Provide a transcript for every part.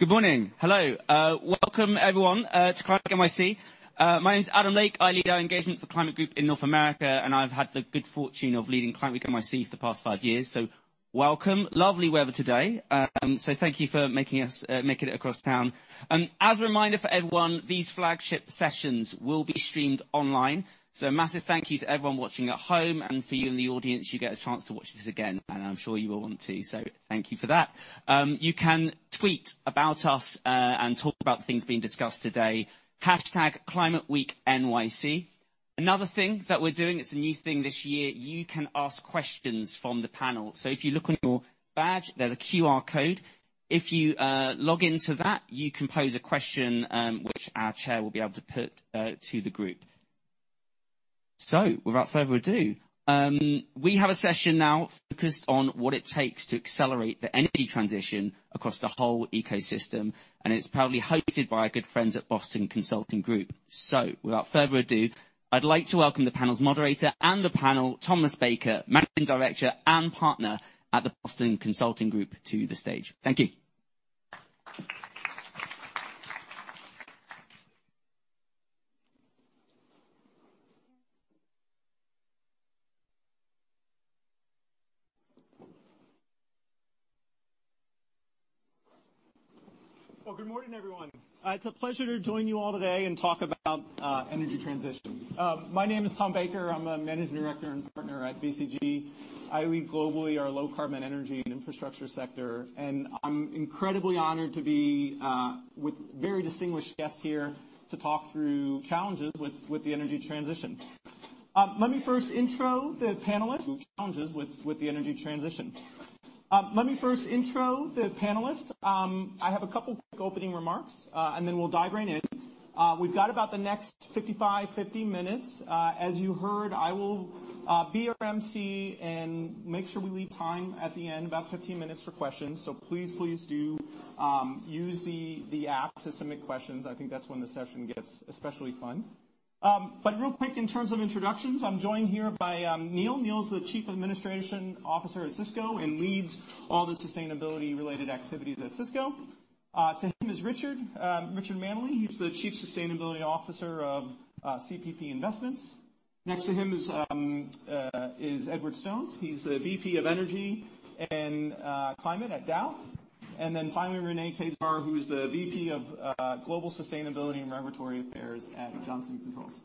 Good morning. Hello. Welcome everyone to Climate Week NYC. My name is Adam Lake. I lead our engagement for Climate Group in North America, and I've had the good fortune of leading Climate Week NYC for the past five years. So welcome. Lovely weather today. So thank you for making it across town. As a reminder for everyone, these flagship sessions will be streamed online. So a massive thank you to everyone watching at home, and for you in the audience, you get a chance to watch this again, and I'm sure you will want to. So thank you for that. You can tweet about us and talk about the things being discussed today, #ClimateWeekNYC. Another thing that we're doing, it's a new thing this year, you can ask questions from the panel. So if you look on your badge, there's a QR code. If you log into that, you can pose a question, which our chair will be able to put to the group. So without further ado, we have a session now focused on what it takes to accelerate the energy transition across the whole ecosystem, and it's proudly hosted by our good friends at Boston Consulting Group. So without further ado, I'd like to welcome the panel's moderator and the panel, Thomas Baker, Managing Director and Partner at the Boston Consulting Group, to the stage. Thank you. Well, good morning, everyone. It's a pleasure to join you all today and talk about energy transition. My name is Tom Baker. I'm a Managing Director and Partner at BCG. I lead globally our low carbon energy and infrastructure sector, and I'm incredibly honored to be with very distinguished guests here to talk through challenges with the energy transition. Let me first intro the panelists. I have a couple quick opening remarks, and then we'll dive right in. We've got about the next 55-50 minutes. As you heard, I will be your MC and make sure we leave time at the end, about 15 minutes for questions. So please, please do use the app to submit questions. I think that's when the session gets especially fun. But real quick, in terms of introductions, I'm joined here by Neil. Neil's the Chief Administrative Officer at Sysco and leads all the sustainability related activities at Sysco. To him is Richard Manley. He's the Chief Sustainability Officer of CPP Investments. Next to him is Edward Stones. He's the VP of Energy and Climate at Dow. And then finally, Renae Kezar, who is the VP of Global Sustainability and Regulatory Affairs at Johnson Controls.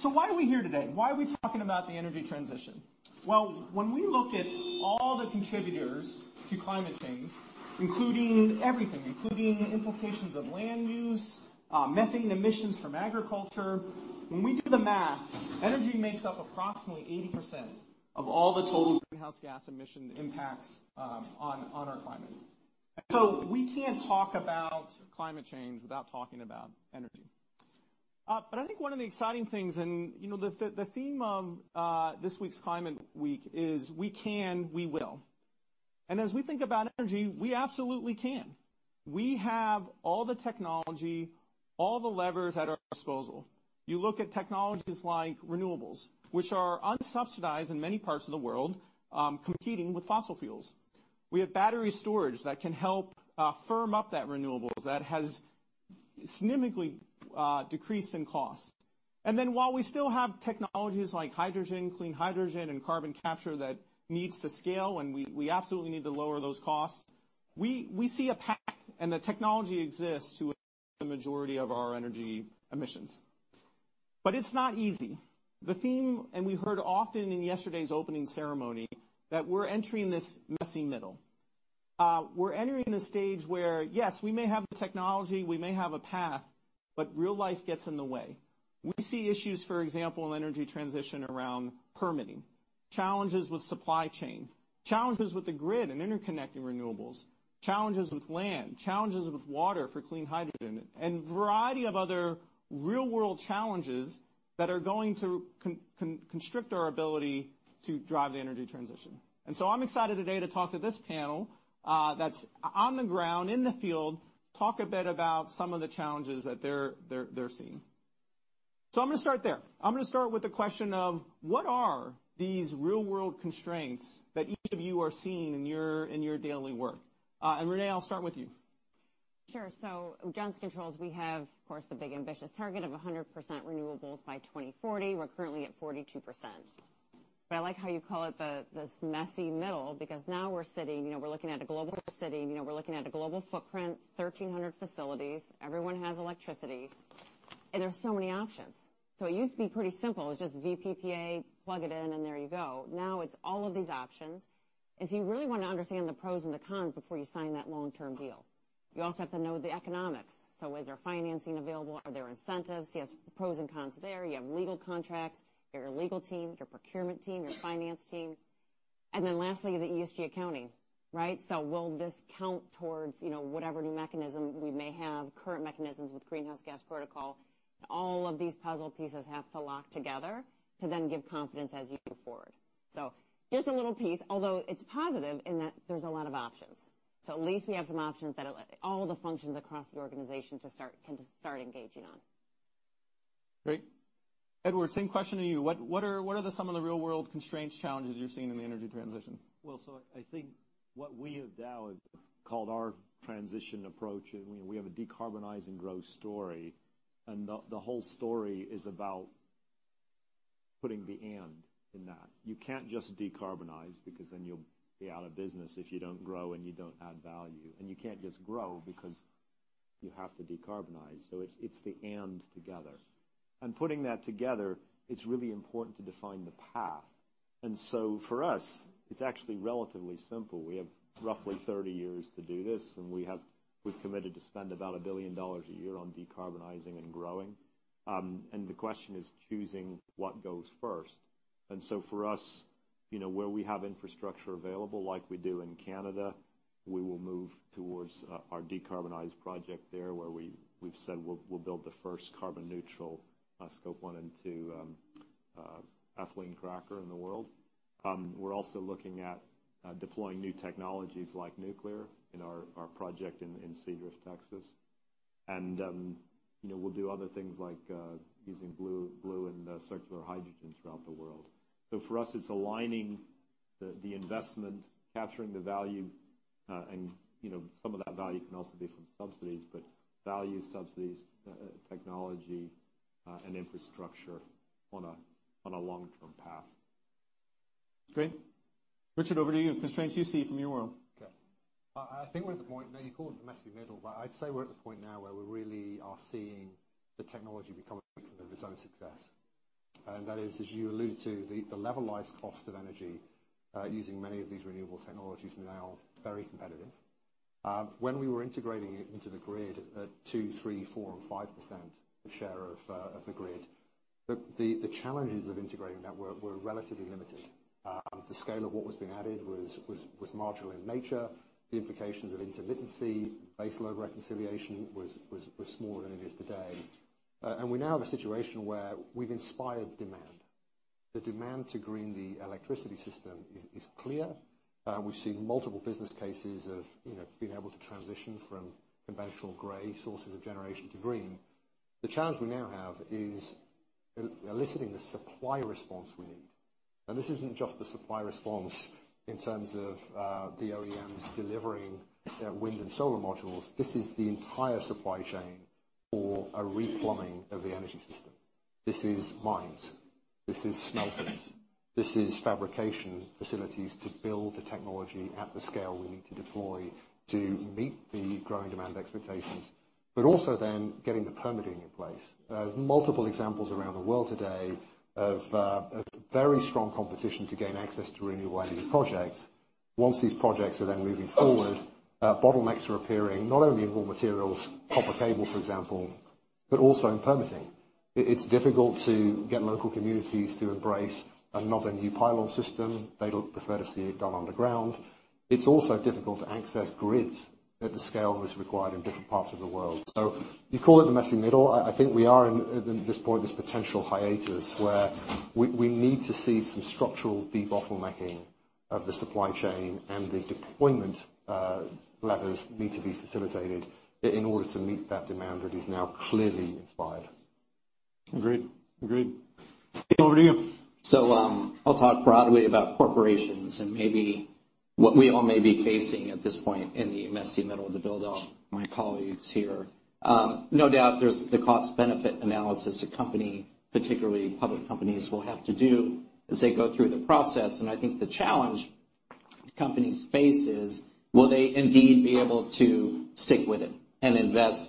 So why are we here today? Why are we talking about the energy transition? Well, when we look at all the contributors to climate change, including everything, including implications of land use, methane emissions from agriculture, when we do the math, energy makes up approximately 80% of all the total greenhouse gas emission impacts, on our climate. So we can't talk about climate change without talking about energy. But I think one of the exciting things, and, you know, the theme of this week's Climate Week is we can, we will. And as we think about energy, we absolutely can. We have all the technology, all the levers at our disposal. You look at technologies like renewables, which are unsubsidized in many parts of the world, competing with fossil fuels. We have battery storage that can help firm up that renewables, that has significantly decreased in cost. And then, while we still have technologies like hydrogen, clean hydrogen and carbon capture, that needs to scale, and we absolutely need to lower those costs, we see a path, and the technology exists to the majority of our energy emissions. But it's not easy. The theme, and we heard often in yesterday's opening ceremony, that we're entering this messy middle. We're entering a stage where, yes, we may have the technology, we may have a path, but real life gets in the way. We see issues, for example, in energy transition around permitting, challenges with supply chain, challenges with the grid and interconnecting renewables, challenges with land, challenges with water for clean hydrogen, and variety of other real-world challenges that are going to constrict our ability to drive the energy transition. I'm excited today to talk to this panel that's on the ground, in the field, talk a bit about some of the challenges that they're seeing. So I'm going to start there. I'm going to start with the question of: What are these real-world constraints that each of you are seeing in your daily work? And Renee, I'll start with you. Sure. So Johnson Controls, we have, of course, the big ambitious target of 100% renewables by 2040. We're currently at 42%. But I like how you call it the, this messy middle, because now we're sitting... You know, we're looking at a global city, you know, we're looking at a global footprint, 1,300 facilities, everyone has electricity, and there are so many options. So it used to be pretty simple. It's just VPPA, plug it in, and there you go. Now, it's all of these options, and so you really want to understand the pros and the cons before you sign that long-term deal. You also have to know the economics. So is there financing available? Are there incentives? Yes, pros and cons there. You have legal contracts, your legal team, your procurement team, your finance team, and then lastly, the ESG accounting, right? So will this count towards, you know, whatever new mechanism we may have, current mechanisms with Greenhouse Gas Protocol? All of these puzzle pieces have to lock together to then give confidence as you move forward. So just a little piece, although it's positive in that there's a lot of options. So at least we have some options that all the functions across the organization can start engaging on.... Great. Edward, same question to you. What are some of the real world constraints, challenges you're seeing in the energy transition? Well, so I think what we at Dow have called our transition approach, and we have a decarbonize and growth story, and the whole story is about putting the and in that. You can't just decarbonize, because then you'll be out of business if you don't grow and you don't add value. And you can't just grow because you have to decarbonize. So it's the and together. And putting that together, it's really important to define the path. And so for us, it's actually relatively simple. We have roughly 30 years to do this, and we've committed to spend about $1 billion a year on decarbonizing and growing. And the question is choosing what goes first. And so for us, you know, where we have infrastructure available, like we do in Canada, we will move towards our decarbonized project there, where we, we've said we'll build the first carbon neutral Scope 1 and 2 ethylene cracker in the world. We're also looking at deploying new technologies like nuclear in our project in Seadrift, Texas. And, you know, we'll do other things like using blue and circular hydrogen throughout the world. So for us, it's aligning the investment, capturing the value, and, you know, some of that value can also be from subsidies, but value subsidies, technology, and infrastructure on a long-term path. Great. Richard, over to you. Constraints you see from your world. Okay. I think we're at the point, now, you call it the messy middle, but I'd say we're at the point now where we really are seeing the technology becoming from their own success. And that is, as you alluded to, the levelized cost of energy using many of these renewable technologies are now very competitive. When we were integrating it into the grid at 2, 3, 4, and 5% share of the grid, the challenges of integrating that were relatively limited. The scale of what was being added was marginal in nature. The implications of intermittency, base load reconciliation was smaller than it is today. And we now have a situation where we've inspired demand. The demand to green the electricity system is clear. We've seen multiple business cases of, you know, being able to transition from conventional gray sources of generation to green. The challenge we now have is eliciting the supply response we need. This isn't just the supply response in terms of the OEMs delivering wind and solar modules. This is the entire supply chain for a replumbing of the energy system. This is mines, this is smelters, this is fabrication facilities to build the technology at the scale we need to deploy to meet the growing demand expectations, but also then getting the permitting in place. There are multiple examples around the world today of very strong competition to gain access to renewable energy projects. Once these projects are then moving forward, bottlenecks are appearing not only in raw materials, copper cable, for example, but also in permitting. It's difficult to get local communities to embrace another new pylon system. They'd prefer to see it done underground. It's also difficult to access grids at the scale that's required in different parts of the world. So you call it the messy middle. I think we are in this point, this potential hiatus, where we need to see some structural debottlenecking of the supply chain, and the deployment levers need to be facilitated in order to meet that demand that is now clearly inspired. Agreed. Agreed. Dave, over to you. I'll talk broadly about corporations and maybe what we all may be facing at this point in the messy middle to build off my colleagues here. No doubt there's the cost-benefit analysis a company, particularly public companies, will have to do as they go through the process, and I think the challenge companies face is, will they indeed be able to stick with it and invest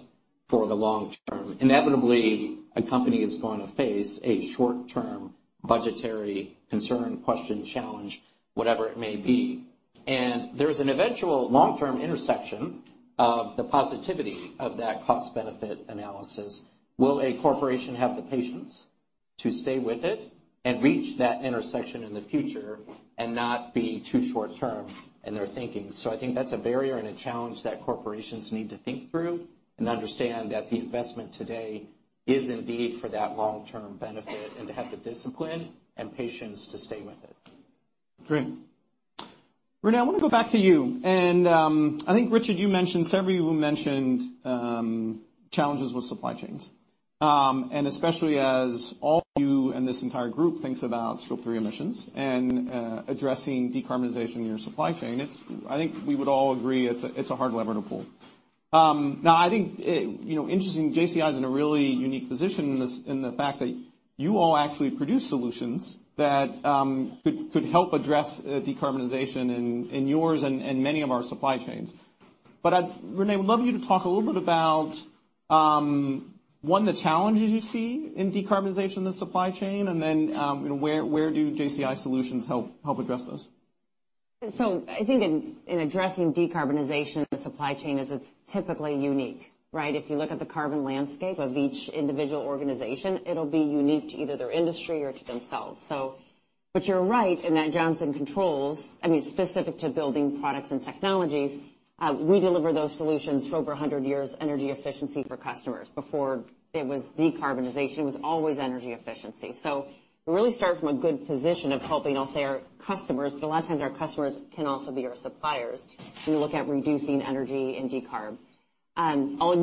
for the long-term? Inevitably, a company is going to face a short-term budgetary concern, question, challenge, whatever it may be. There's an eventual long-term intersection of the positivity of that cost-benefit analysis. Will a corporation have the patience to stay with it and reach that intersection in the future and not be too short-term in their thinking? I think that's a barrier and a challenge that corporations need to think through and understand that the investment today is indeed for that long-term benefit, and to have the discipline and patience to stay with it. Great. Renee, I want to go back to you. I think, Richard, you mentioned, several of you mentioned, challenges with supply chains. Especially as all of you and this entire group thinks about Scope 3 emissions and addressing decarbonization in your supply chain, it's... I think we would all agree it's a hard lever to pull. Now, I think, you know, interesting, JCI is in a really unique position in this, in the fact that you all actually produce solutions that could, could help address decarbonization in yours and many of our supply chains. But I'd, Renee, I would love you to talk a little bit about one, the challenges you see in decarbonization in the supply chain, and then where, where do JCI solutions help, help address those? So I think in addressing decarbonization in the supply chain, it's typically unique, right? If you look at the carbon landscape of each individual organization, it'll be unique to either their industry or to themselves. So, but you're right in that Johnson Controls, I mean, specific to building products and technologies, we deliver those solutions for over 100 years, energy efficiency for customers. Before it was decarbonization, it was always energy efficiency. So we really start from a good position of helping, I'll say, our customers, but a lot of times our customers can also be our suppliers when we look at reducing energy and decarb.... I'll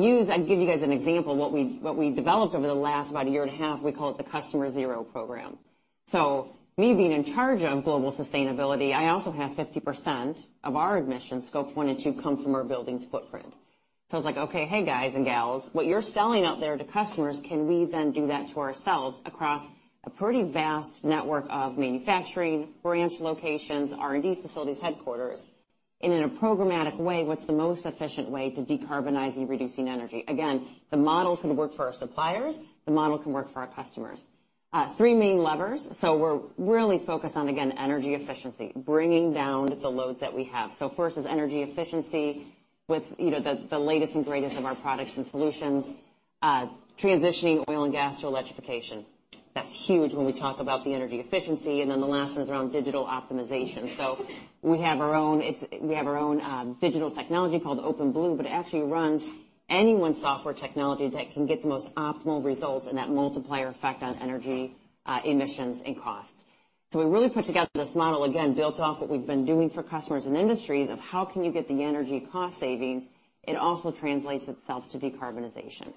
give you guys an example, what we developed over the last about a year and a half, we call it the Customer Zero program. So me being in charge of global sustainability, I also have 50% of our emissions, Scope one and two, come from our buildings footprint. So I was like, okay, hey, guys and gals, what you're selling out there to customers, can we then do that to ourselves across a pretty vast network of manufacturing, branch locations, R&D facilities, headquarters, and in a programmatic way, what's the most efficient way to decarbonizing, reducing energy? Again, the model can work for our suppliers, the model can work for our customers. Three main levers. So we're really focused on, again, energy efficiency, bringing down the loads that we have. So first is energy efficiency with, you know, the, the latest and greatest of our products and solutions, transitioning oil and gas to electrification. That's huge when we talk about the energy efficiency, and then the last one is around digital optimization. So we have our own, it's we have our own digital technology called Open Blue, but it actually runs anyone's software technology that can get the most optimal results and that multiplier effect on energy, emissions and costs. So we really put together this model, again, built off what we've been doing for customers and industries of how can you get the energy cost savings. It also translates itself to decarbonization.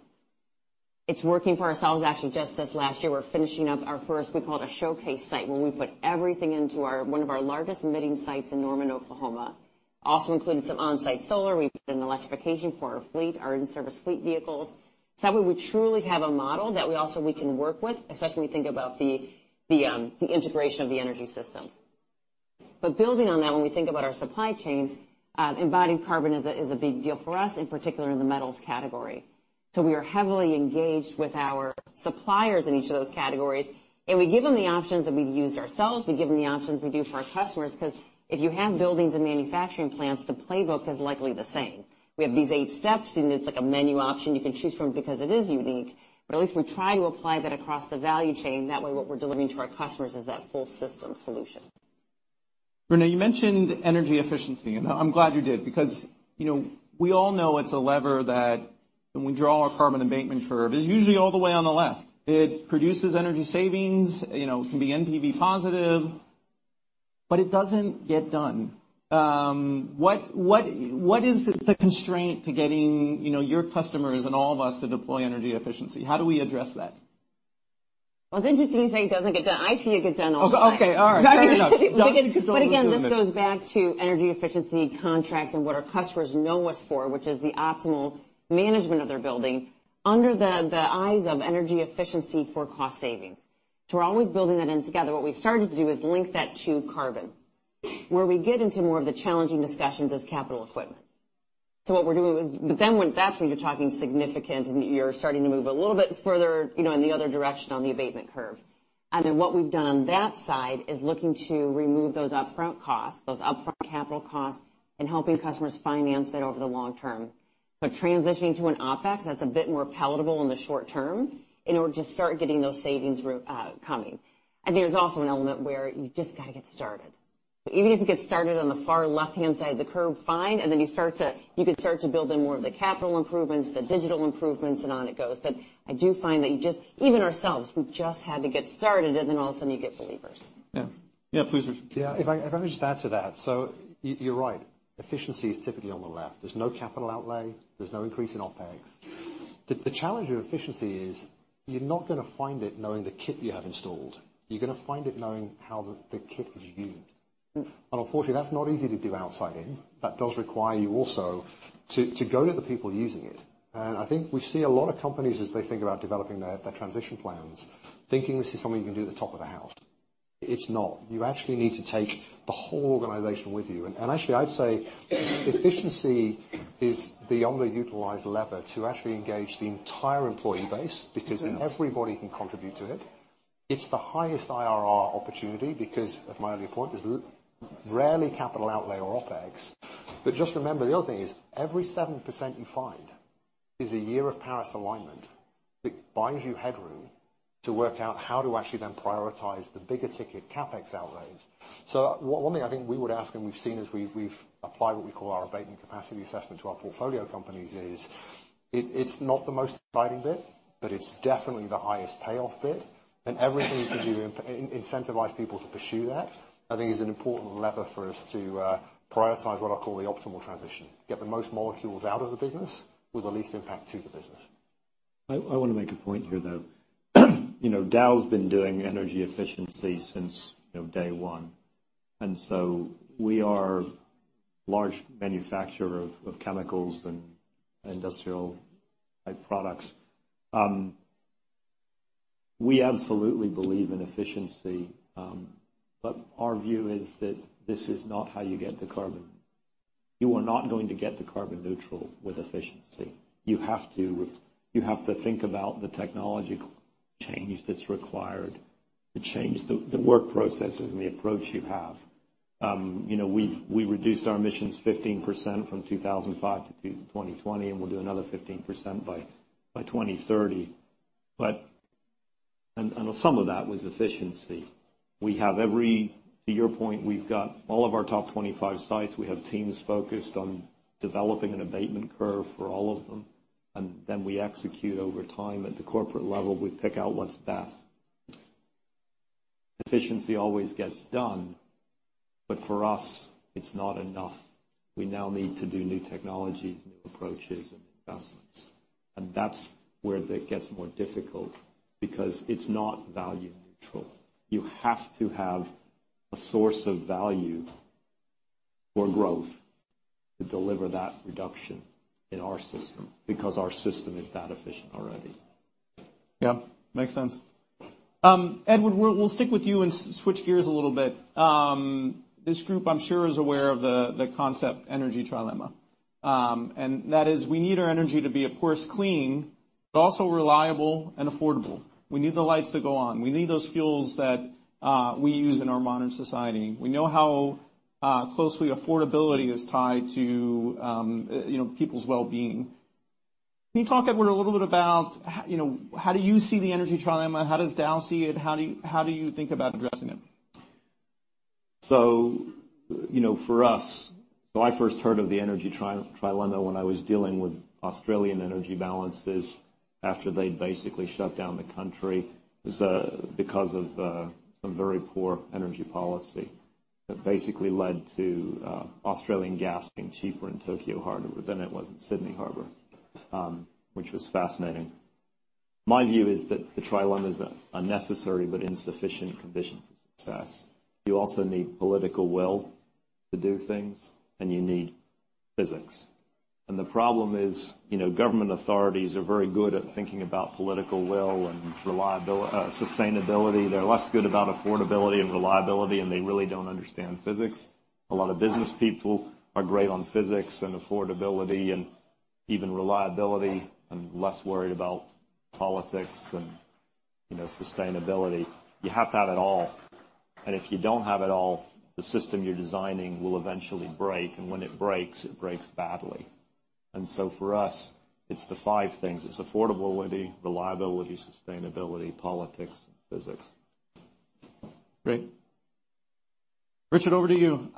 It's working for ourselves. Actually, just this last year, we're finishing up our first, we call it a showcase site, where we put everything into our, one of our largest emitting sites in Norman, Oklahoma. Also included some on-site solar. We put an electrification for our fleet, our in-service fleet vehicles. So that way, we truly have a model that we also we can work with, especially when we think about the integration of the energy systems. But building on that, when we think about our supply chain, embodied carbon is a big deal for us, in particular in the metals category. So we are heavily engaged with our suppliers in each of those categories, and we give them the options that we've used ourselves. We give them the options we do for our customers, 'cause if you have buildings and manufacturing plants, the playbook is likely the same. We have these eight steps, and it's like a menu option you can choose from because it is unique, but at least we try to apply that across the value chain. That way, what we're delivering to our customers is that full system solution. Renee, you mentioned energy efficiency, and I'm glad you did, because, you know, we all know it's a lever that when we draw our carbon abatement curve, is usually all the way on the left. It produces energy savings, you know, it can be NPV positive, but it doesn't get done. What is the constraint to getting, you know, your customers and all of us to deploy energy efficiency? How do we address that? Well, it's interesting you say it doesn't get done. I see it get done all the time. Okay, all right. Fair enough. But again, this goes back to energy efficiency contracts and what our customers know us for, which is the optimal management of their building under the eyes of energy efficiency for cost savings. So we're always building that in together. What we've started to do is link that to carbon, where we get into more of the challenging discussions as capital equipment. So, but then when you're talking significant, and you're starting to move a little bit further, you know, in the other direction on the abatement curve. And then what we've done on that side is looking to remove those upfront costs, those upfront capital costs, and helping customers finance it over the long term. So transitioning to an OpEx, that's a bit more palatable in the short term in order to start getting those savings coming. There's also an element where you just got to get started. Even if you get started on the far left-hand side of the curve, fine, and then you start to, you can start to build in more of the capital improvements, the digital improvements, and on it goes. But I do find that you just, even ourselves, we've just had to get started, and then all of a sudden you get believers. Yeah. Yeah, please. Yeah, if I, if I may just add to that. So you, you're right, efficiency is typically on the left. There's no capital outlay, there's no increase in OPEX. The, the challenge of efficiency is you're not gonna find it knowing the kit you have installed. You're gonna find it knowing how the, the kit is used. And unfortunately, that's not easy to do outside in. That does require you also to, to go to the people using it. And I think we see a lot of companies, as they think about developing their, their transition plans, thinking this is something you can do at the top of the house. It's not. You actually need to take the whole organization with you. And, and actually, I'd say efficiency is the underutilized lever to actually engage the entire employee base because everybody can contribute to it. It's the highest IRR opportunity, because of my earlier point, there's rarely capital outlay or OPEX. But just remember, the other thing is every 7% you find is a year of Paris alignment that buys you headroom to work out how to actually then prioritize the bigger ticket CapEx outlays. So one thing I think we would ask, and we've seen as we've applied what we call our abatement capacity assessment to our portfolio companies, is, it's not the most exciting bit, but it's definitely the highest payoff bit. And everything you can do to incentivize people to pursue that, I think is an important lever for us to prioritize what I call the optimal transition, get the most molecules out of the business with the least impact to the business. I want to make a point here, though. You know, Dow's been doing energy efficiency since, you know, day one, and so we are a large manufacturer of, of chemicals and industrial type products. We absolutely believe in efficiency, but our view is that this is not how you get to carbon. You are not going to get to carbon neutral with efficiency. You have to, you have to think about the technological change that's required to change the, the work processes and the approach you have. You know, we've, we reduced our emissions 15% from 2005-2020, and we'll do another 15% by 2030. But... And, and some of that was efficiency. To your point, we've got all of our top 25 sites, we have teams focused on developing an abatement curve for all of them, and then we execute over time. At the corporate level, we pick out what's best. Efficiency always gets done, but for us, it's not enough. We now need to do new technologies, new approaches, and investments, and that's where it gets more difficult because it's not value neutral. You have to have a source of value for growth to deliver that reduction in our system, because our system is that efficient already. Yeah, makes sense. Edward, we'll stick with you and switch gears a little bit. This group, I'm sure, is aware of the concept energy trilemma. And that is, we need our energy to be, of course, clean, but also reliable and affordable. We need the lights to go on. We need those fuels that we use in our modern society. We know how closely affordability is tied to, you know, people's well-being. Can you talk, Edward, a little bit about how, you know, how do you see the energy trilemma? How does Dow see it? How do you think about addressing it? So, you know, for us, so I first heard of the energy trilemma when I was dealing with Australian energy balances after they'd basically shut down the country because of some very poor energy policy that basically led to Australian gas being cheaper in Tokyo Harbor than it was in Sydney Harbor, which was fascinating. My view is that the trilemma is a unnecessary but insufficient condition for success. You also need political will to do things, and you need physics. And the problem is, you know, government authorities are very good at thinking about political will and sustainability. They're less good about affordability and reliability, and they really don't understand physics. A lot of business people are great on physics and affordability and even reliability, and less worried about politics and, you know, sustainability. You have to have it all, and if you don't have it all, the system you're designing will eventually break, and when it breaks, it breaks badly. And so for us, it's the five things. It's affordability, reliability, sustainability, politics, physics. Great. Richard, over to you.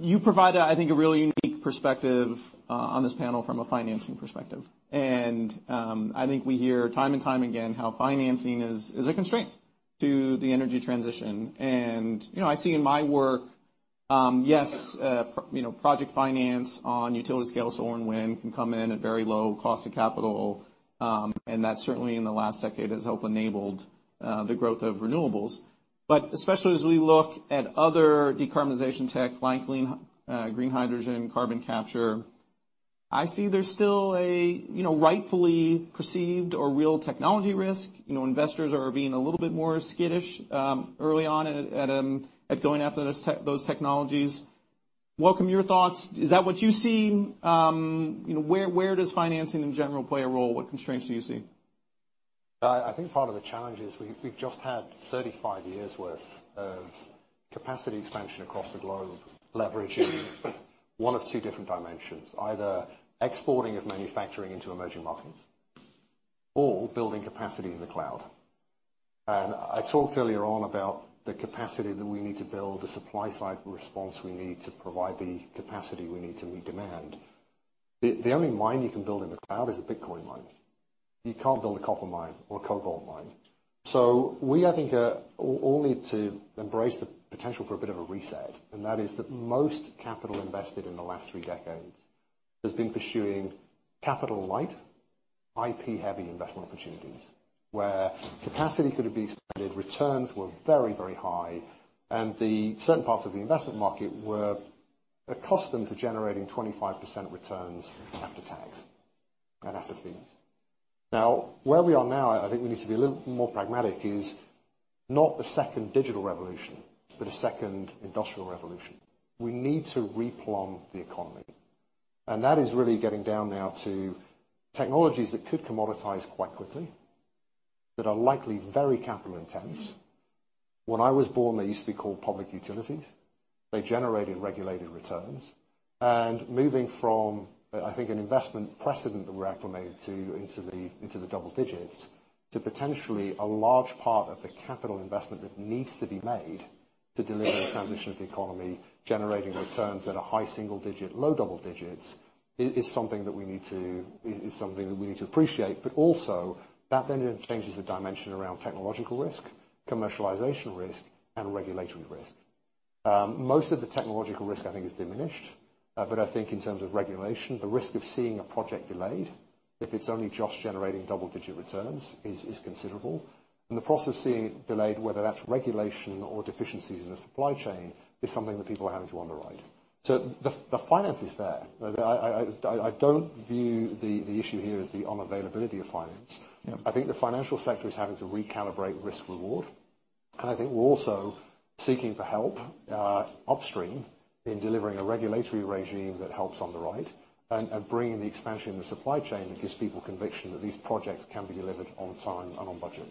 You provide, I think, a really unique perspective on this panel from a financing perspective. And, I think we hear time and time again how financing is a constraint to the energy transition. And, you know, I see in my work, yes, you know, project finance on utility scale, solar and wind, can come in at very low cost of capital, and that certainly in the last decade, has helped enable the growth of renewables. But especially as we look at other decarbonization tech, like clean green hydrogen, carbon capture, I see there's still a you know, rightfully perceived or real technology risk. You know, investors are being a little bit more skittish early on at going after those technologies. Welcome your thoughts. Is that what you see? You know, where does financing in general play a role? What constraints do you see? I think part of the challenge is we've just had 35 years' worth of capacity expansion across the globe, leveraging one of two different dimensions, either exporting of manufacturing into emerging markets or building capacity in the cloud. And I talked earlier on about the capacity that we need to build, the supply side response we need to provide the capacity we need to meet demand. The only mine you can build in the cloud is a Bitcoin mine. You can't build a copper mine or a cobalt mine. So we, I think, are all need to embrace the potential for a bit of a reset, and that is that most capital invested in the last three decades has been pursuing capital light, IP-heavy investment opportunities, where capacity could be expanded, returns were very, very high, and the certain parts of the investment market were accustomed to generating 25% returns after tax and after fees. Now, where we are now, I think we need to be a little more pragmatic, is not a second digital revolution, but a second industrial revolution. We need to replumb the economy, and that is really getting down now to technologies that could commoditize quite quickly, that are likely very capital intense. When I was born, they used to be called public utilities. They generated regulated returns, and moving from, I think an investment precedent that we acclimated to, into the double digits, to potentially a large part of the capital investment that needs to be made to deliver the transition of the economy, generating returns at a high single digit, low double digits, is something that we need to appreciate. But also, that then changes the dimension around technological risk, commercialization risk, and regulatory risk. Most of the technological risk, I think, is diminished, but I think in terms of regulation, the risk of seeing a project delayed, if it's only just generating double-digit returns, is considerable. And the process seeing delayed, whether that's regulation or deficiencies in the supply chain, is something that people are having to underwrite. So the finance is there. I don't view the issue here as the unavailability of finance. Yeah. I think the financial sector is having to recalibrate risk-reward, and I think we're also seeking for help, upstream in delivering a regulatory regime that helps on the right, and, and bringing the expansion in the supply chain that gives people conviction that these projects can be delivered on time and on budget.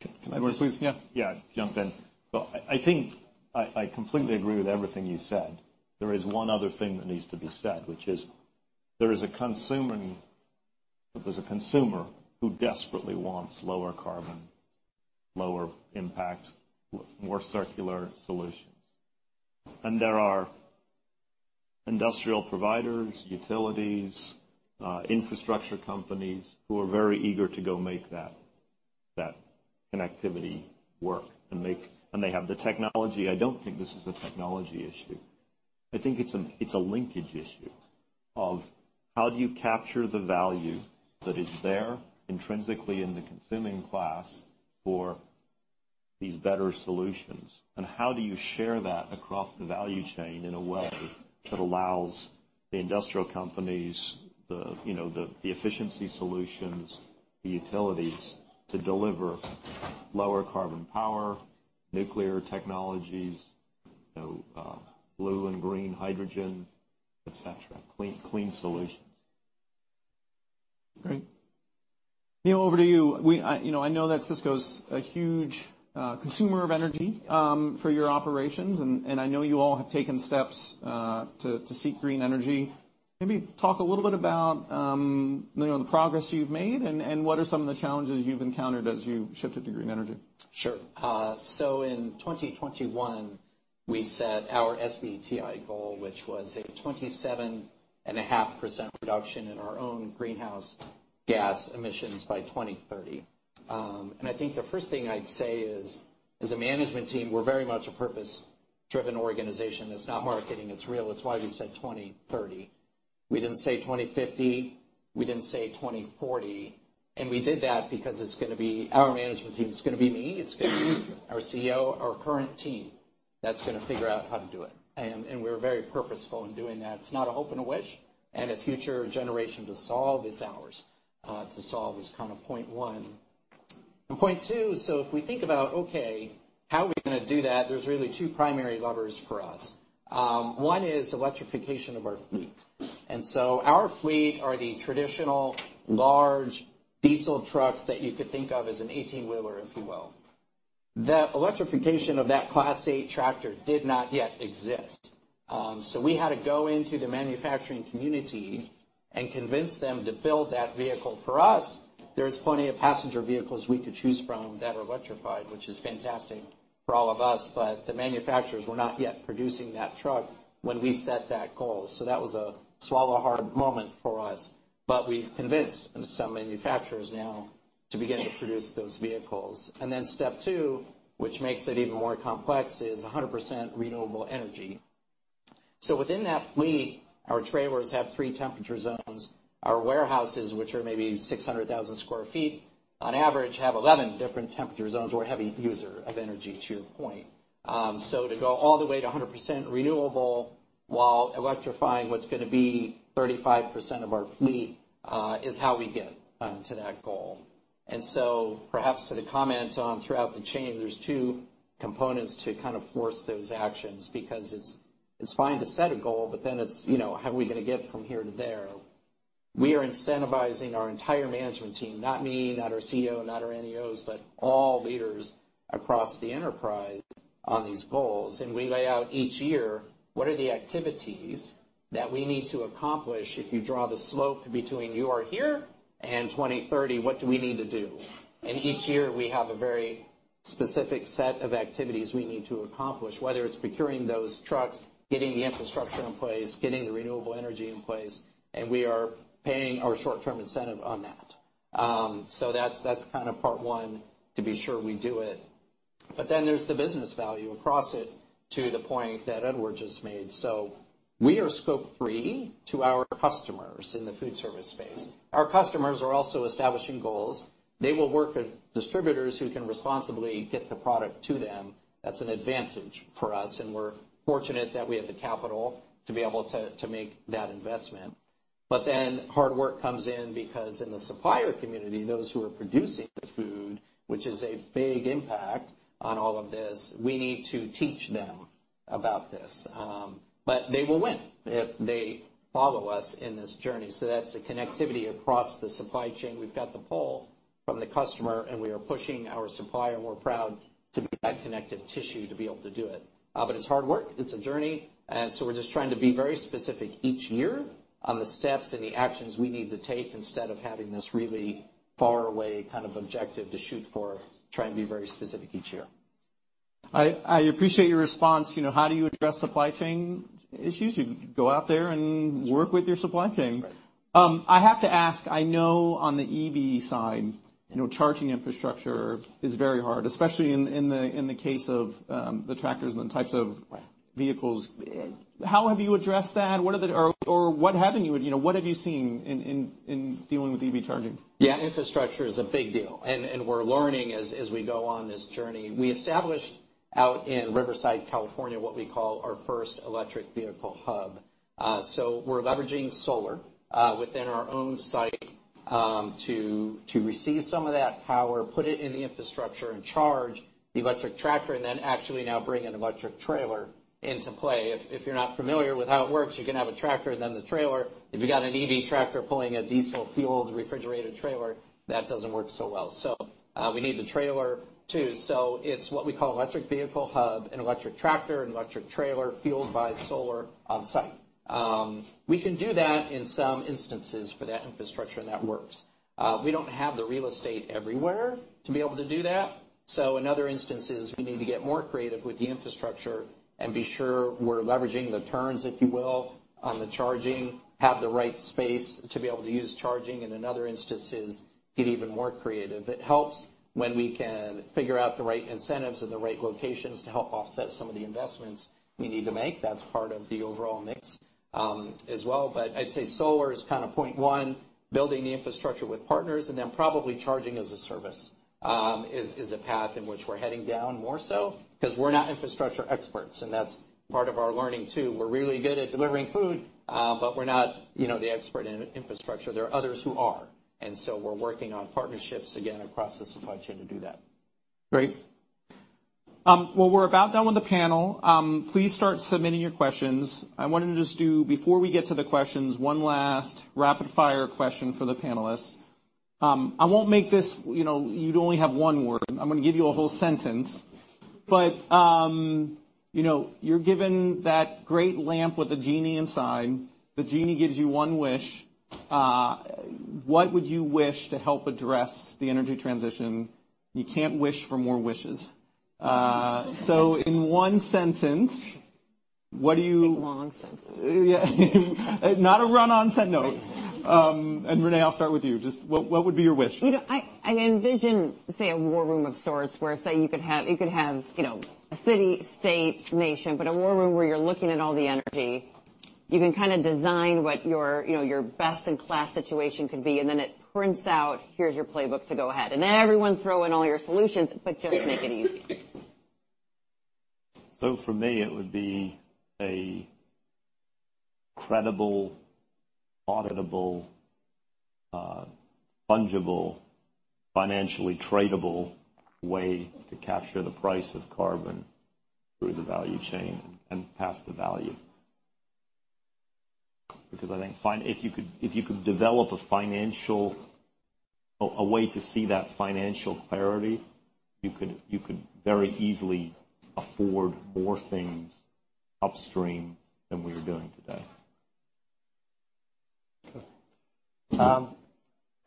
Can I please? Yeah. Yeah, jump in. So I think I completely agree with everything you said. There is one other thing that needs to be said, which is there is a consumer, there's a consumer who desperately wants lower carbon, lower impact, more circular solutions. And there are industrial providers, utilities, infrastructure companies who are very eager to go make that connectivity work, and they have the technology. I don't think this is a technology issue. I think it's a linkage issue of how do you capture the value that is there intrinsically in the consuming class for these better solutions? How do you share that across the value chain in a way that allows the industrial companies, the, you know, the efficiency solutions, the utilities, to deliver lower carbon power, nuclear technologies, you know, blue and green hydrogen, et cetera, clean, clean solutions? Great. Neil, over to you. I, you know, I know that Sysco's a huge consumer of energy for your operations, and, and I know you all have taken steps to seek green energy. Maybe talk a little bit about, you know, the progress you've made and, and what are some of the challenges you've encountered as you've shifted to green energy? Sure. So in 2021, we set our SBTI goal, which was a 27.5% reduction in our own greenhouse gas emissions by 2030. I think the first thing I'd say is, as a management team, we're very much a purpose-driven organization. It's not marketing, it's real. It's why we said 2030. We didn't say 2050, we didn't say 2040, and we did that because it's gonna be our management team. It's gonna be me, it's gonna be our CEO, our current team, that's gonna figure out how to do it. And we're very purposeful in doing that. It's not a hope and a wish, and a future generation to solve, it's ours to solve is kind of point one. And point two, so if we think about, okay, how are we gonna do that? There's really two primary levers for us. One is electrification of our fleet. So our fleet are the traditional large diesel trucks that you could think of as an 18-wheeler, if you will. The electrification of that Class A tractor did not yet exist. So we had to go into the manufacturing community and convince them to build that vehicle for us. There's plenty of passenger vehicles we could choose from that are electrified, which is fantastic for all of us, but the manufacturers were not yet producing that truck when we set that goal. So that was a swallow hard moment for us, but we've convinced some manufacturers now to begin to produce those vehicles. Then step two, which makes it even more complex, is 100% renewable energy. So within that fleet, our trailers have three temperature zones. Our warehouses, which are maybe 600,000 sq ft, on average, have 11 different temperature zones. We're a heavy user of energy, to your point. So to go all the way to 100% renewable while electrifying what's gonna be 35% of our fleet, is how we get, to that goal. And so perhaps to the comment on throughout the chain, there's two components to kind of force those actions, because it's, it's fine to set a goal, but then it's, you know, how are we gonna get from here to there? We are incentivizing our entire management team, not me, not our CEO, not our NEOs, but all leaders across the enterprise on these goals. And we lay out each year, what are the activities that we need to accomplish? If you draw the slope between you are here and 2030, what do we need to do? Each year, we have a very specific set of activities we need to accomplish, whether it's procuring those trucks, getting the infrastructure in place, getting the renewable energy in place, and we are paying our short-term incentive on that. So that's kind of part one, to be sure we do it. But then there's the business value across it, to the point that Edward just made. So we are Scope three to our customers in the food service space. Our customers are also establishing goals. They will work with distributors who can responsibly get the product to them. That's an advantage for us, and we're fortunate that we have the capital to be able to make that investment. But then hard work comes in because in the supplier community, those who are producing the food, which is a big impact on all of this, we need to teach them about this. But they will win if they follow us in this journey. So that's the connectivity across the supply chain. We've got the pull from the customer, and we are pushing our supplier, and we're proud to be that connective tissue to be able to do it. But it's hard work, it's a journey, and so we're just trying to be very specific each year on the steps and the actions we need to take, instead of having this really far away kind of objective to shoot for, try and be very specific each year. I appreciate your response. You know, how do you address supply chain issues? You go out there and work with your supply chain. Right. I have to ask, I know on the EV side, you know, charging infrastructure is very hard, especially in the case of the tractors and the types of- Right... vehicles. How have you addressed that? What are or what haven't you... You know, what have you seen in dealing with EV charging? Yeah, infrastructure is a big deal, and we're learning as we go on this journey. We established out in Riverside, California, what we call our first electric vehicle hub. So we're leveraging solar within our own site.... to receive some of that power, put it in the infrastructure, and charge the electric tractor, and then actually now bring an electric trailer into play. If you're not familiar with how it works, you can have a tractor and then the trailer. If you got an EV tractor pulling a diesel-fueled refrigerated trailer, that doesn't work so well. So, we need the trailer, too. So it's what we call electric vehicle hub, an electric tractor, an electric trailer, fueled by solar on site. We can do that in some instances for that infrastructure, and that works. We don't have the real estate everywhere to be able to do that, so in other instances, we need to get more creative with the infrastructure and be sure we're leveraging the terms, if you will, on the charging, have the right space to be able to use charging, and in other instances, get even more creative. It helps when we can figure out the right incentives and the right locations to help offset some of the investments we need to make. That's part of the overall mix, as well. But I'd say solar is kind of point one, building the infrastructure with partners, and then probably charging as a service is a path in which we're heading down more so, because we're not infrastructure experts, and that's part of our learning, too. We're really good at delivering food, but we're not, you know, the expert in infrastructure. There are others who are, and so we're working on partnerships, again, across the supply chain to do that. Great. Well, we're about done with the panel. Please start submitting your questions. I wanted to just do, before we get to the questions, one last rapid-fire question for the panelists. I won't make this, you know... You'd only have one word. I'm gonna give you a whole sentence. But, you know, you're given that great lamp with a genie inside. The genie gives you one wish. What would you wish to help address the energy transition? You can't wish for more wishes. So in one sentence, what do you- A long sentence. Yeah. No. Renee, I'll start with you. Just what, what would be your wish? You know, I envision, say, a war room of sorts, where, say, you could have, you know, a city, state, nation, but a war room where you're looking at all the energy. You can kind of design what your, you know, your best-in-class situation could be, and then it prints out, "Here's your playbook to go ahead." And then everyone throw in all your solutions, but just make it easy. So for me, it would be a credible, auditable, fungible, financially tradable way to capture the price of carbon through the value chain and pass the value. Because I think if you could, if you could develop a financial... A, a way to see that financial clarity, you could, you could very easily afford more things upstream than we are doing today.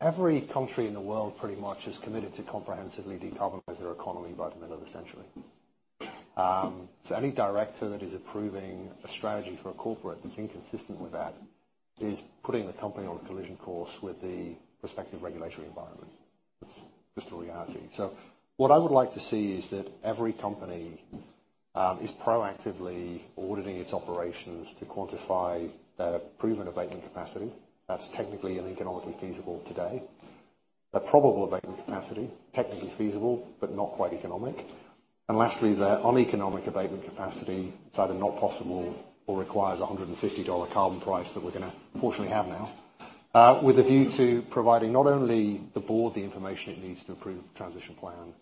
Every country in the world pretty much is committed to comprehensively decarbonize their economy by the middle of the century. So any director that is approving a strategy for a corporate that's inconsistent with that is putting the company on a collision course with the respective regulatory environment. It's just a reality. So what I would like to see is that every company is proactively auditing its operations to quantify their proven abatement capacity. That's technically and economically feasible today. A probable abatement capacity, technically feasible, but not quite economic. And lastly, their uneconomic abatement capacity, it's either not possible or requires a $150 carbon price that we're gonna fortunately have now. With a view to providing not only the board the information it needs to approve transition plan,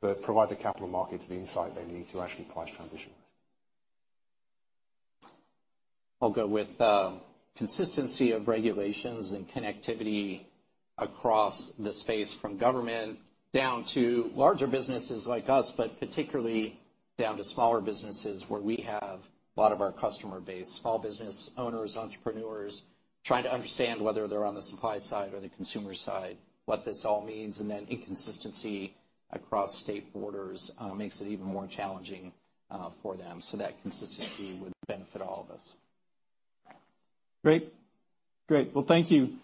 but provide the capital markets the insight they need to actually price transition. I'll go with, consistency of regulations and connectivity across the space, from government down to larger businesses like us, but particularly down to smaller businesses, where we have a lot of our customer base. Small business owners, entrepreneurs, trying to understand whether they're on the supply side or the consumer side, what this all means, and then inconsistency across state borders, makes it even more challenging, for them. So that consistency would benefit all of us. Great. Great. Well, thank you.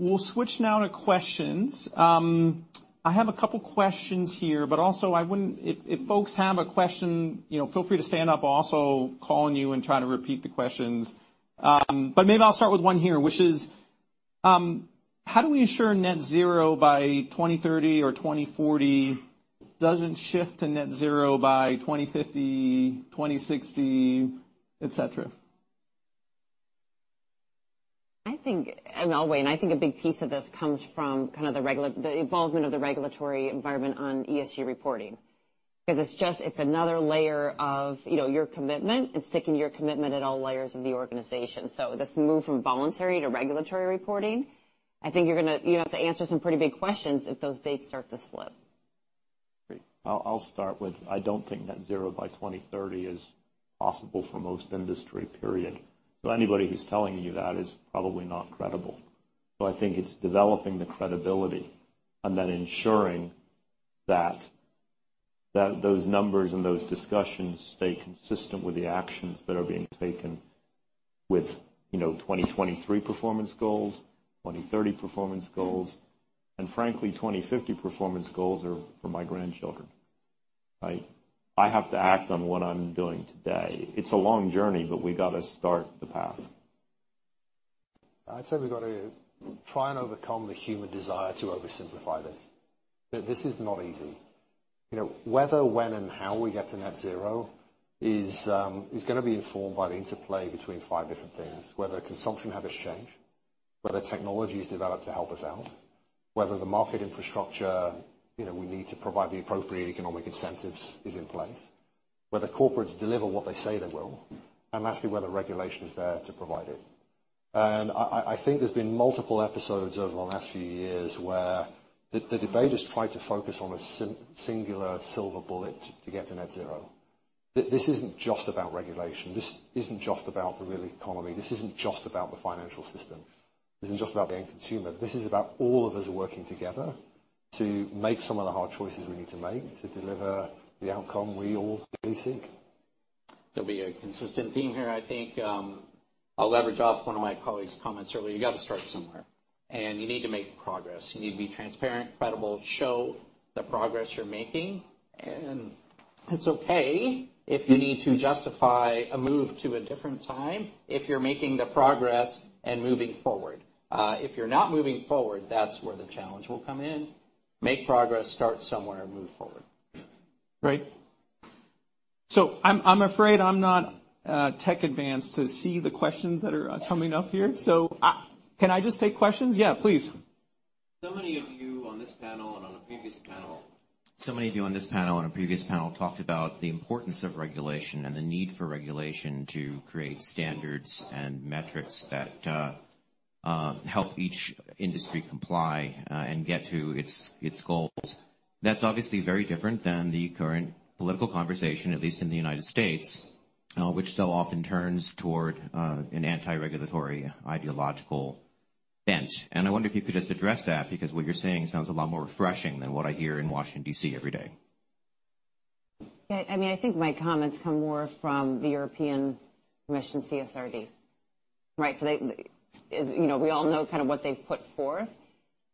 We'll switch now to questions. I have a couple questions here, but also, if folks have a question, you know, feel free to stand up. I'll also call on you and try to repeat the questions. But maybe I'll start with one here, which is: How do we ensure net zero by 2030 or 2040 doesn't shift to net zero by 2050, 2060, etc? I think, and I'll weigh in, I think a big piece of this comes from kind of the regulatory involvement of the regulatory environment on ESG reporting. Because it's just, it's another layer of, you know, your commitment and sticking to your commitment at all layers of the organization. So this move from voluntary to regulatory reporting, I think you're gonna have to answer some pretty big questions if those dates start to slip. Great. I'll start with, I don't think net zero by 2030 is possible for most industry, period. So anybody who's telling you that is probably not credible. So I think it's developing the credibility and then ensuring that those numbers and those discussions stay consistent with the actions that are being taken with, you know, 2023 performance goals, 2030 performance goals, and frankly, 2050 performance goals are for my grandchildren, right? I have to act on what I'm doing today. It's a long journey, but we've got to start the path. I'd say we've got to try and overcome the human desire to oversimplify this. That this is not easy. You know, whether, when and how we get to net zero is going to be informed by the interplay between five different things. Whether consumption habits change, whether technology is developed to help us out, whether the market infrastructure, you know, we need to provide the appropriate economic incentives is in place, whether corporates deliver what they say they will, and lastly, whether regulation is there to provide it. And I think there's been multiple episodes over the last few years where the debate has tried to focus on a singular silver bullet to get to net zero. This isn't just about regulation, this isn't just about the real economy, this isn't just about the financial system, this isn't just about the end consumer. This is about all of us working together to make some of the hard choices we need to make to deliver the outcome we all really seek. There'll be a consistent theme here, I think. I'll leverage off one of my colleague's comments earlier. You got to start somewhere, and you need to make progress. You need to be transparent, credible, show the progress you're making, and it's okay if you need to justify a move to a different time, if you're making the progress and moving forward. If you're not moving forward, that's where the challenge will come in. Make progress, start somewhere, and move forward. Great. So I'm, I'm afraid I'm not tech advanced to see the questions that are coming up here, so can I just take questions? Yeah, please. So many of you on this panel and on a previous panel talked about the importance of regulation and the need for regulation to create standards and metrics that help each industry comply and get to its goals. That's obviously very different than the current political conversation, at least in the United States, which so often turns toward an anti-regulatory, ideological bent. And I wonder if you could just address that, because what you're saying sounds a lot more refreshing than what I hear in Washington, D.C. every day. Yeah, I mean, I think my comments come more from the European Commission, CSRD, right? So they, as... You know, we all know kind of what they've put forth.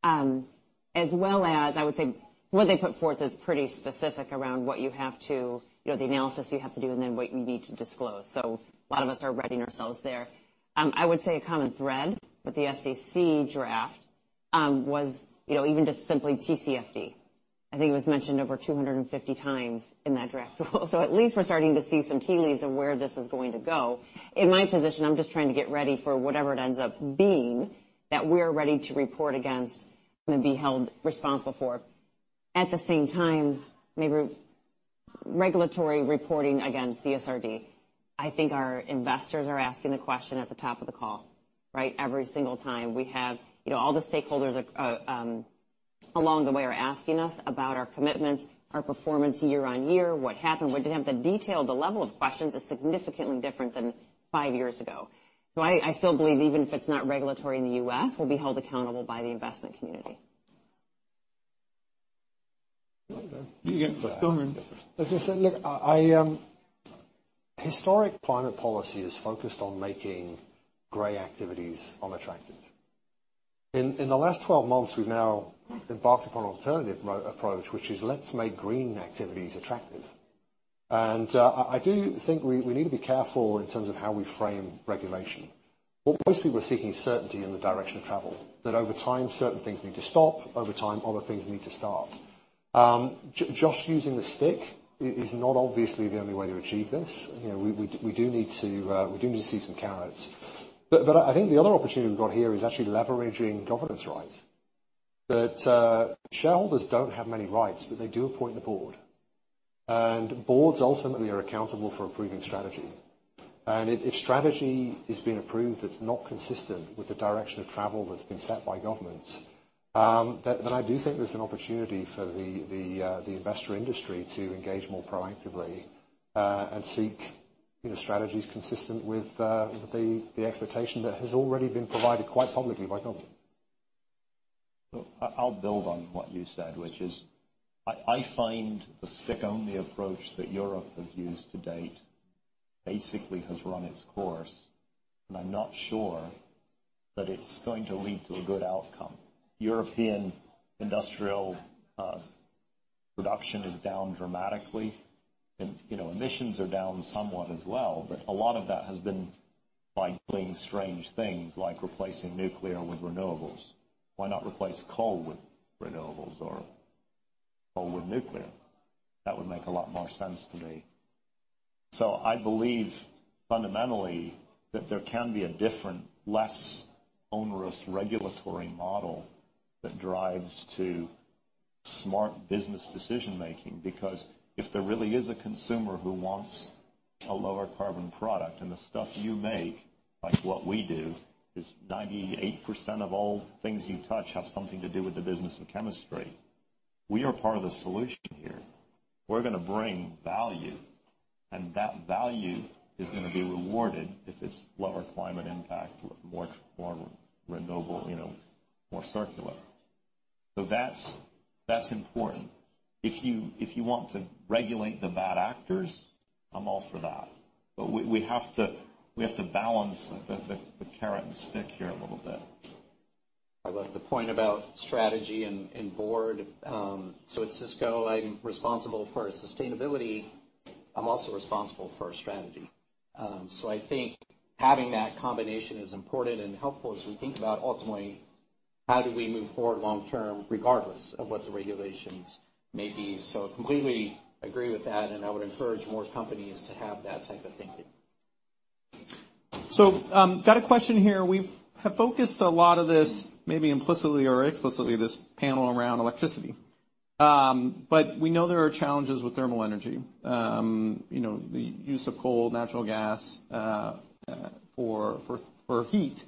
As well as I would say, what they put forth is pretty specific around what you have to, you know, the analysis you have to do and then what you need to disclose. So a lot of us are readying ourselves there. I would say a common thread with the SEC draft was, you know, even just simply TCFD. I think it was mentioned over 250x in that draft. So at least we're starting to see some tea leaves of where this is going to go. In my position, I'm just trying to get ready for whatever it ends up being, that we're ready to report against and be held responsible for. At the same time, maybe regulatory reporting, again, CSRD. I think our investors are asking the question at the top of the call, right? Every single time. We have, you know, all the stakeholders along the way are asking us about our commitments, our performance year on year, what happened, we have the detail, the level of questions is significantly different than five years ago. So I still believe, even if it's not regulatory in the U.S. we'll be held accountable by the investment community. You get, go ahead. As you said, look, I, historic climate policy is focused on making gray activities unattractive. In the last 12 months, we've now embarked upon an alternative approach, which is let's make green activities attractive. And, I do think we need to be careful in terms of how we frame regulation. What most people are seeking certainty in the direction of travel, that over time, certain things need to stop, over time, other things need to start. Just using the stick is not obviously the only way to achieve this. You know, we do need to see some carrots. But I think the other opportunity we've got here is actually leveraging governance rights. That, shareholders don't have many rights, but they do appoint the board. And boards ultimately are accountable for approving strategy. If strategy is being approved, that's not consistent with the direction of travel that's been set by governments, then I do think there's an opportunity for the investor industry to engage more proactively and seek, you know, strategies consistent with the expectation that has already been provided quite publicly by government. Look, I'll build on what you said, which is, I find the stick-only approach that Europe has used to date basically has run its course, and I'm not sure that it's going to lead to a good outcome. European industrial production is down dramatically and, you know, emissions are down somewhat as well, but a lot of that has been by doing strange things, like replacing nuclear with renewables. Why not replace coal with renewables or coal with nuclear? That would make a lot more sense to me. So I believe, fundamentally, that there can be a different, less onerous regulatory model that drives to smart business decision making, because if there really is a consumer who wants a lower carbon product and the stuff you make, like what we do, is 98% of all things you touch have something to do with the business of chemistry, we are part of the solution here. We're going to bring value, and that value is going to be rewarded if it's lower climate impact, more renewable, you know, more circular. So that's important. If you want to regulate the bad actors, I'm all for that. But we have to balance the carrot and stick here a little bit. I love the point about strategy and board. So at Sysco, I'm responsible for sustainability, I'm also responsible for strategy. So I think having that combination is important and helpful as we think about ultimately... how do we move forward long term, regardless of what the regulations may be? Completely agree with that, and I would encourage more companies to have that type of thinking. So, got a question here. We have focused a lot of this, maybe implicitly or explicitly, this panel around electricity. But we know there are challenges with thermal energy. You know, the use of coal, natural gas, for heat.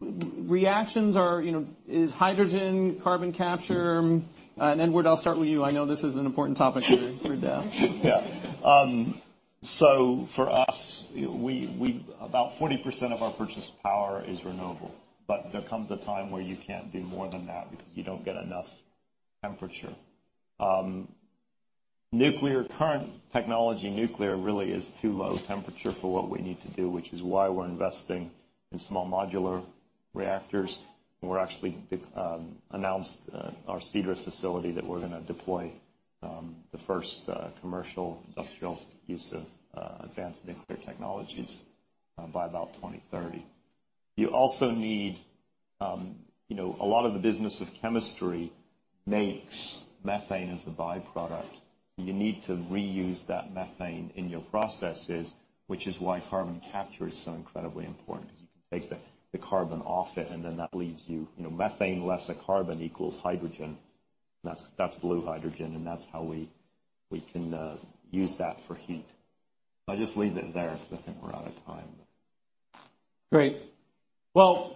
Reactions are, you know, is hydrogen, carbon capture? And, Edward, I'll start with you. I know this is an important topic for Dow. Yeah. So for us, about 40% of our purchased power is renewable, but there comes a time where you can't do more than that because you don't get enough temperature. Nuclear current technology, nuclear really is too low temperature for what we need to do, which is why we're investing in small modular reactors. We're actually announced our Cedar facility that we're gonna deploy the first commercial industrial use of advanced nuclear technologies by about 2030. You also need, you know, a lot of the business of chemistry makes methane as a by-product. You need to reuse that methane in your processes, which is why carbon capture is so incredibly important. You can take the carbon off it, and then that leaves you, you know, methane less a carbon equals hydrogen. That's blue hydrogen, and that's how we can use that for heat. I'll just leave it there because I think we're out of time. Great. Well,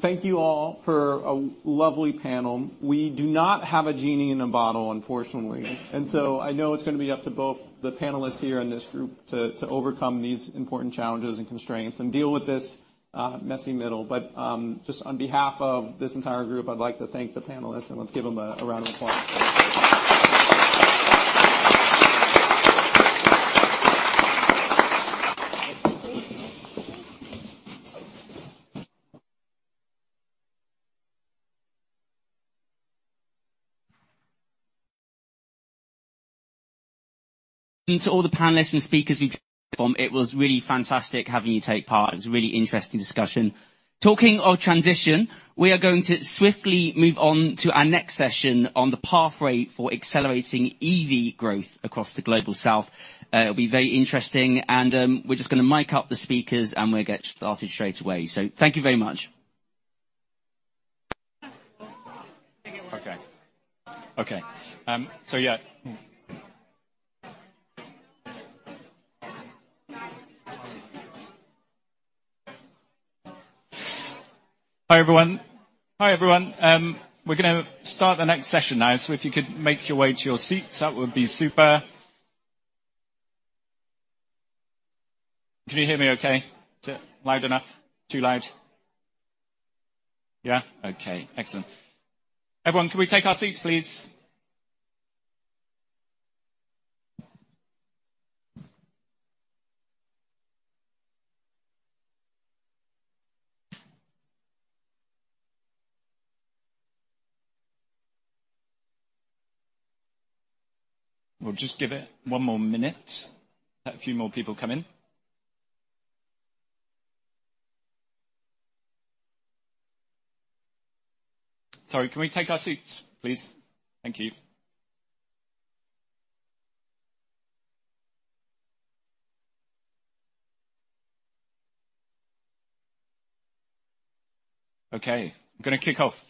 thank you all for a lovely panel. We do not have a genie in a bottle, unfortunately. And so I know it's gonna be up to both the panelists here and this group to overcome these important challenges and constraints, and deal with this messy middle. But just on behalf of this entire group, I'd like to thank the panelists, and let's give them a round of applause. To all the panelists and speakers, we've. It was really fantastic having you take part. It was a really interesting discussion. Talking of transition, we are going to swiftly move on to our next session on the pathway for accelerating EV growth across the global south. It'll be very interesting. And, we're just gonna mic up the speakers, and we'll get started straight away. So thank you very much. Okay. Okay. So yeah. Hi, everyone. Hi, everyone. We're gonna start the next session now, so if you could make your way to your seats, that would be super. Can you hear me okay? Is it loud enough? Too loud? Yeah? Okay, excellent. Everyone, can we take our seats, please? We'll just give it one more minute, let a few more people come in. Sorry, can we take our seats, please? Thank you. Okay, I'm gonna kick off.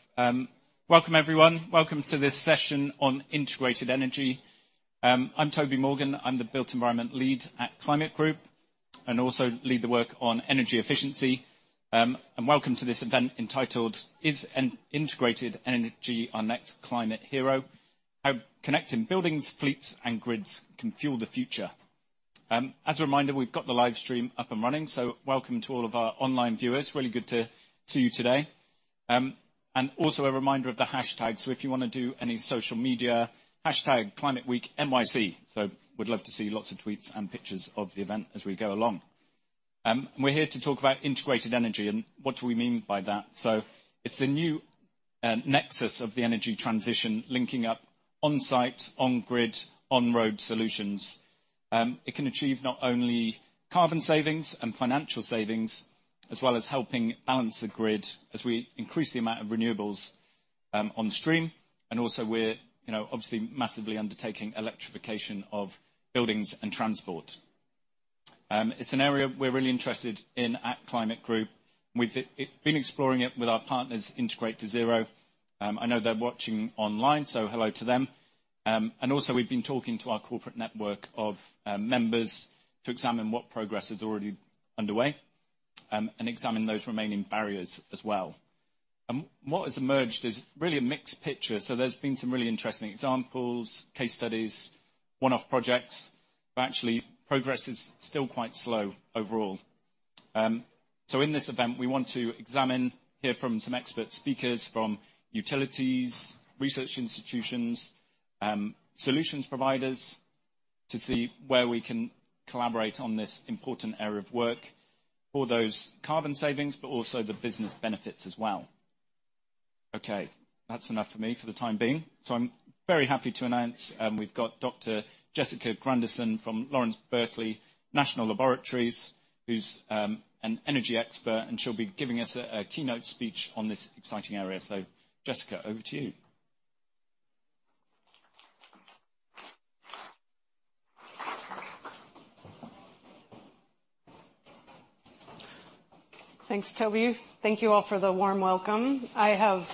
Welcome, everyone. Welcome to this session on integrated energy. I'm Toby Morgan. I'm the built environment lead at Climate Group and also lead the work on energy efficiency. Welcome to this event entitled, Is an Integrated Energy Our Next Climate Hero? How Connecting Buildings, Fleets, and Grids Can Fuel the Future. As a reminder, we've got the live stream up and running, so welcome to all of our online viewers. Really good to see you today. And also a reminder of the hashtag, so if you wanna do any social media, #ClimateWeekNYC. So we'd love to see lots of tweets and pictures of the event as we go along. We're here to talk about integrated energy, and what do we mean by that? So it's the new nexus of the energy transition, linking up on-site, on-grid, on-road solutions. It can achieve not only carbon savings and financial savings, as well as helping balance the grid as we increase the amount of renewables on stream, and also we're, you know, obviously massively undertaking electrification of buildings and transport. It's an area we're really interested in at Climate Group. We've been exploring it with our partners, Integrate to Zero. I know they're watching online, so hello to them. And also, we've been talking to our corporate network of members to examine what progress is already underway, and examine those remaining barriers as well. What has emerged is really a mixed picture. So there's been some really interesting examples, case studies, one-off projects, but actually progress is still quite slow overall. So in this event, we want to examine, hear from some expert speakers, from utilities, research institutions, solutions providers, to see where we can collaborate on this important area of work for those carbon savings, but also the business benefits as well. Okay, that's enough for me for the time being. So I'm very happy to announce, we've got Dr. Jessica Granderson from Lawrence Berkeley National Laboratory, who's an energy expert, and she'll be giving us a keynote speech on this exciting area. So Jessica, over to you. Thanks, Toby. Thank you all for the warm welcome. I have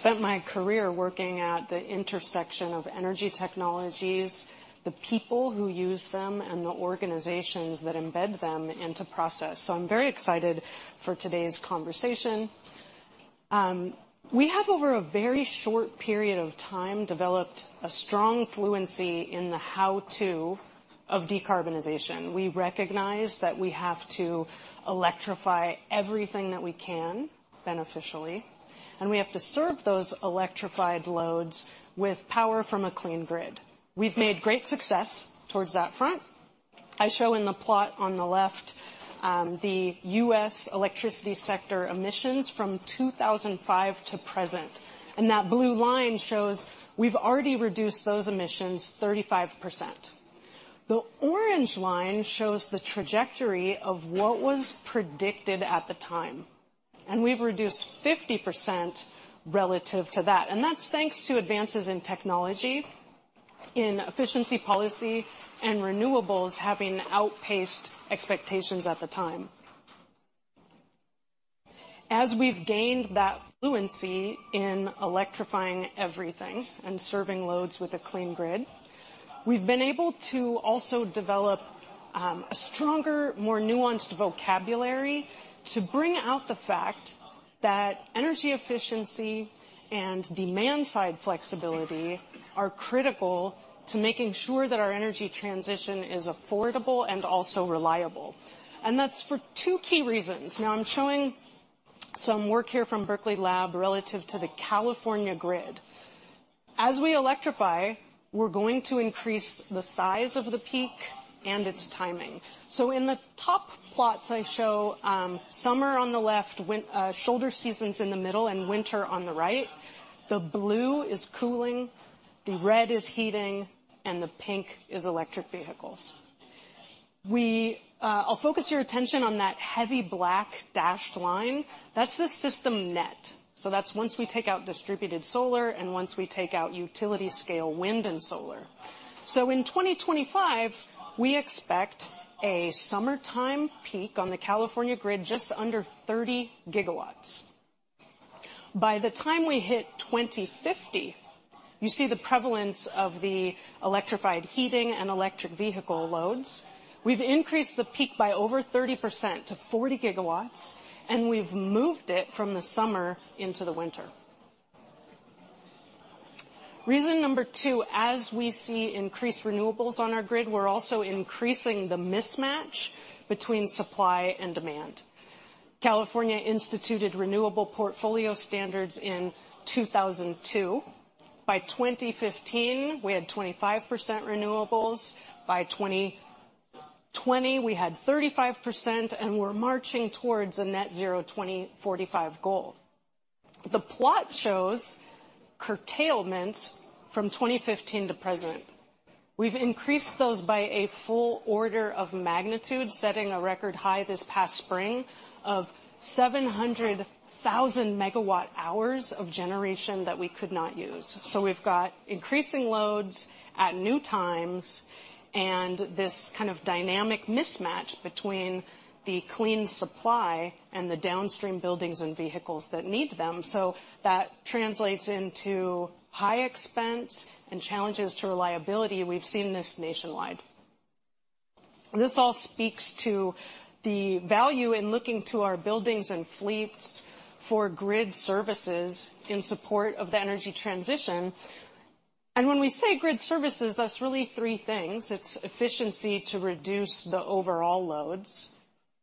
spent my career working at the intersection of energy technologies, the people who use them, and the organizations that embed them into process, so I'm very excited for today's conversation. We have, over a very short period of time, developed a strong fluency in the how-to of decarbonization. We recognize that we have to electrify everything that we can, beneficially, and we have to serve those electrified loads with power from a clean grid. We've made great success towards that front. I show in the plot on the left, the U.S. electricity sector emissions from 2005 to present, and that blue line shows we've already reduced those emissions 35%. The orange line shows the trajectory of what was predicted at the time, and we've reduced 50% relative to that, and that's thanks to advances in technology, in efficiency policy, and renewables having outpaced expectations at the time. As we've gained that fluency in electrifying everything and serving loads with a clean grid, we've been able to also develop a stronger, more nuanced vocabulary to bring out the fact that energy efficiency and demand-side flexibility are critical to making sure that our energy transition is affordable and also reliable, and that's for two key reasons. Now, I'm showing some work here from Berkeley Lab relative to the California grid. As we electrify, we're going to increase the size of the peak and its timing. So in the top plots I show summer on the left, shoulder seasons in the middle, and winter on the right. The blue is cooling, the red is heating, and the pink is electric vehicles. We, I'll focus your attention on that heavy black dashed line. That's the system net, so that's once we take out distributed solar and once we take out utility-scale wind and solar. So in 2025, we expect a summertime peak on the California grid just under 30 gigawatts. By the time we hit 2050, you see the prevalence of the electrified heating and electric vehicle loads. We've increased the peak by over 30%, to 40 GW, and we've moved it from the summer into the winter. Reason number two, as we see increased renewables on our grid, we're also increasing the mismatch between supply and demand. California instituted renewable portfolio standards in 2002. By 2015, we had 25% renewables. By 2020, we had 35%, and we're marching towards a net zero 2045 goal. The plot shows curtailment from 2015 to present. We've increased those by a full order of magnitude, setting a record high this past spring of 700,000 MWh of generation that we could not use. So we've got increasing loads at new times and this kind of dynamic mismatch between the clean supply and the downstream buildings and vehicles that need them. So that translates into high expense and challenges to reliability. We've seen this nationwide. This all speaks to the value in looking to our buildings and fleets for grid services in support of the energy transition. When we say grid services, that's really three things: It's efficiency to reduce the overall loads,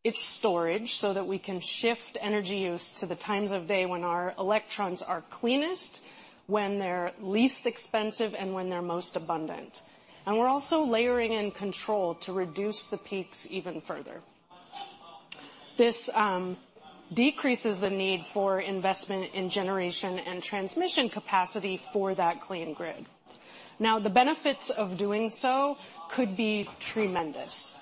it's storage, so that we can shift energy use to the times of day when our electrons are cleanest, when they're least expensive, and when they're most abundant, and we're also layering in control to reduce the peaks even further. This decreases the need for investment in generation and transmission capacity for that clean grid. Now, the benefits of doing so could be tremendous.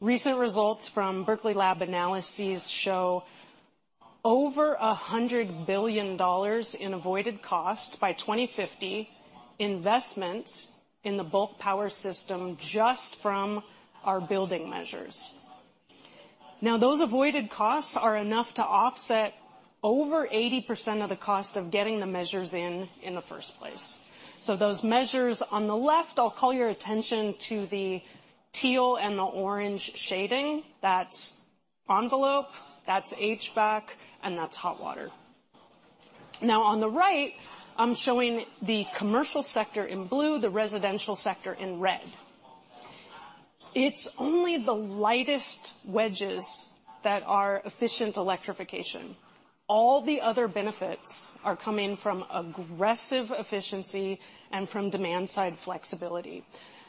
Recent results from Berkeley Lab analyses show over $100 billion in avoided cost by 2050, investment in the bulk power system just from our building measures. Now, those avoided costs are enough to offset over 80% of the cost of getting the measures in in the first place. So those measures on the left, I'll call your attention to the teal and the orange shading. That's envelope, that's HVAC, and that's hot water. Now, on the right, I'm showing the commercial sector in blue, the residential sector in red. It's only the lightest wedges that are efficient electrification. All the other benefits are coming from aggressive efficiency and from demand-side flexibility,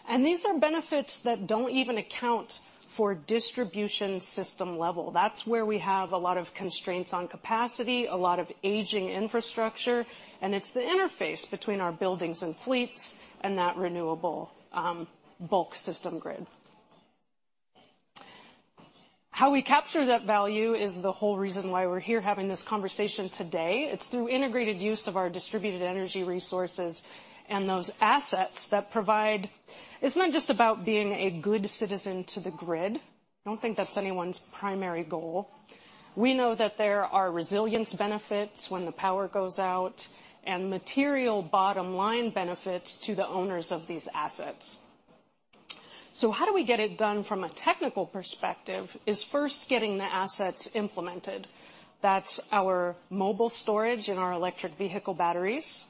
and these are benefits that don't even account for distribution system level. That's where we have a lot of constraints on capacity, a lot of aging infrastructure, and it's the interface between our buildings and fleets and that renewable bulk system grid. How we capture that value is the whole reason why we're here having this conversation today. It's through integrated use of our distributed energy resources and those assets that provide. It's not just about being a good citizen to the grid. I don't think that's anyone's primary goal. We know that there are resilience benefits when the power goes out, and material bottom-line benefits to the owners of these assets. So how do we get it done from a technical perspective, is first getting the assets implemented. That's our mobile storage and our electric vehicle batteries,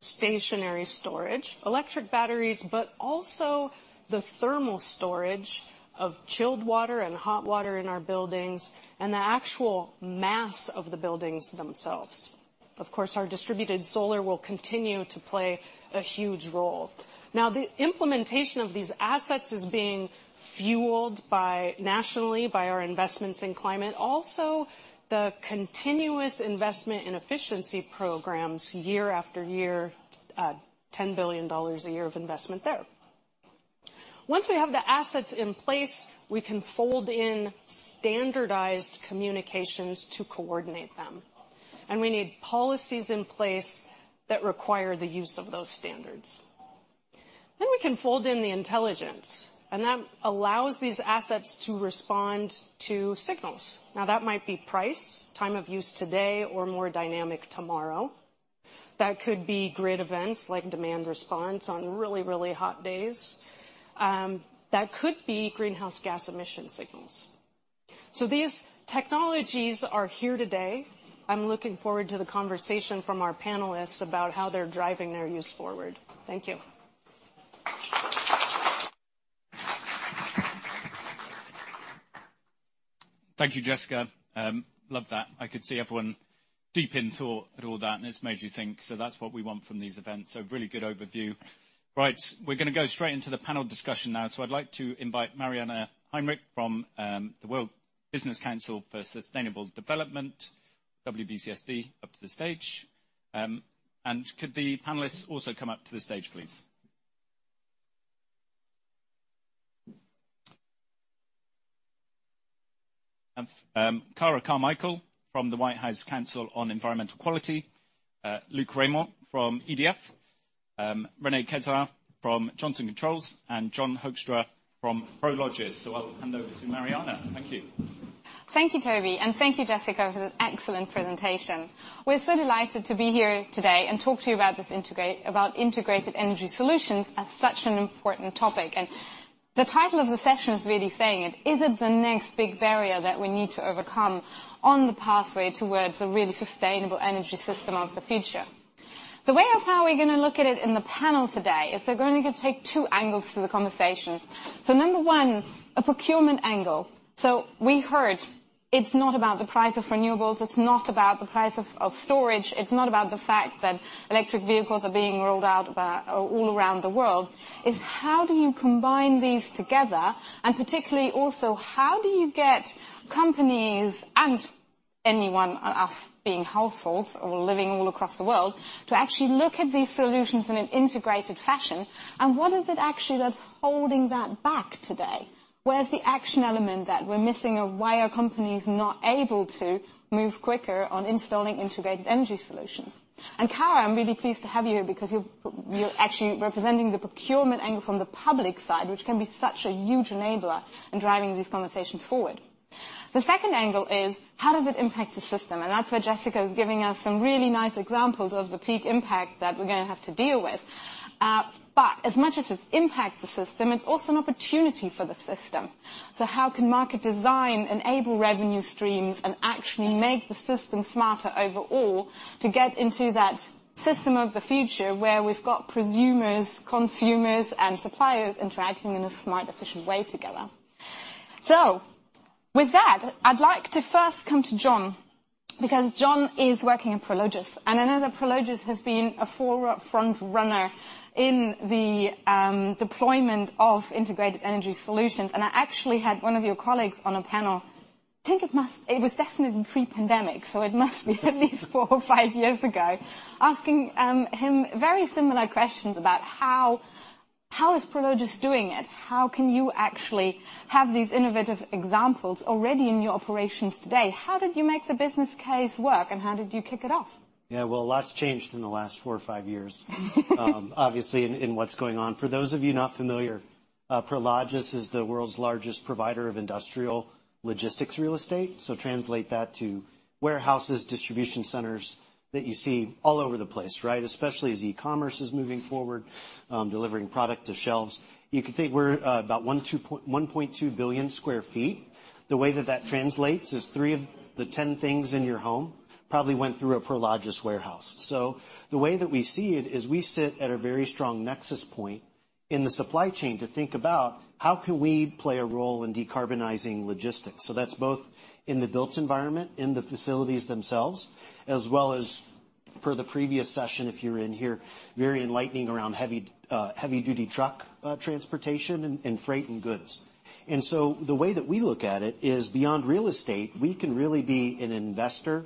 stationary storage, electric batteries, but also the thermal storage of chilled water and hot water in our buildings, and the actual mass of the buildings themselves. Of course, our distributed solar will continue to play a huge role. Now, the implementation of these assets is being fueled by, nationally by our investments in climate, also, the continuous investment in efficiency programs year after year, $10 billion a year of investment there. Once we have the assets in place, we can fold in standardized communications to coordinate them, and we need policies in place that require the use of those standards. Then we can fold in the intelligence, and that allows these assets to respond to signals. Now, that might be price, time of use today, or more dynamic tomorrow. That could be grid events, like demand response on really, really hot days. That could be greenhouse gas emission signals. So these technologies are here today. I'm looking forward to the conversation from our panelists about how they're driving their use forward. Thank you. Thank you, Jessica. Loved that. I could see everyone deep in thought at all that, and it's made you think, so that's what we want from these events. So really good overview. Right, we're gonna go straight into the panel discussion now. So I'd like to invite Mariana Heinrich from the World Business Council for Sustainable Development, WBCSD, up to the stage. And could the panelists also come up to the stage, please? Cara Carmichael from the White House Council on Environmental Quality, Luc Rémont from EDF, Renee Kezar from Johnson Controls, and John Hoekstra from Prologis. So I'll hand over to Mariana. Thank you. Thank you, Toby, and thank you, Jessica, for that excellent presentation. We're so delighted to be here today and talk to you about integrated energy solutions as such an important topic, and the title of the session is really saying it. Is it the next big barrier that we need to overcome on the pathway towards a really sustainable energy system of the future? The way of how we're gonna look at it in the panel today is we're gonna take two angles to the conversation. So number one, a procurement angle. So we heard it's not about the price of renewables, it's not about the price of storage, it's not about the fact that electric vehicles are being rolled out all around the world. It's how do you combine these together, and particularly also, how do you get companies and anyone, us being households or living all across the world, to actually look at these solutions in an integrated fashion, and what is it actually that's holding that back today? Where's the action element that we're missing, and why are companies not able to move quicker on installing integrated energy solutions? Cara, I'm really pleased to have you here because you're, you're actually representing the procurement angle from the public side, which can be such a huge enabler in driving these conversations forward. The second angle is: How does it impact the system? That's where Jessica is giving us some really nice examples of the peak impact that we're gonna have to deal with. But as much as it impacts the system, it's also an opportunity for the system. So how can market design enable revenue streams and actually make the system smarter overall to get into that system of the future, where we've got prosumers, consumers, and suppliers interacting in a smart, efficient way together? So with that, I'd like to first come to John, because John is working at Prologis, and I know that Prologis has been a forefront runner in the deployment of integrated energy solutions, and I actually had one of your colleagues on a panel. I think it must... It was definitely pre-pandemic, so it must be at least four or five years ago, asking him very similar questions about how, how is Prologis doing it? How can you actually have these innovative examples already in your operations today? How did you make the business case work, and how did you kick it off? Yeah, well, a lot's changed in the last four or five years, obviously, in what's going on. For those of you not familiar, Prologis is the world's largest provider of industrial logistics real estate, so translate that to warehouses, distribution centers that you see all over the place, right? Especially as e-commerce is moving forward, delivering product to shelves. You can think we're about 1.2 billion sq ft. The way that that translates is three of the 10 things in your home probably went through a Prologis warehouse. So the way that we see it is we sit at a very strong nexus point in the supply chain to think about: How can we play a role in decarbonizing logistics? So that's both in the built environment, in the facilities themselves, as well as per the previous session, if you're in here, very enlightening around heavy-duty truck transportation and freight and goods. So the way that we look at it is, beyond real estate, we can really be an investor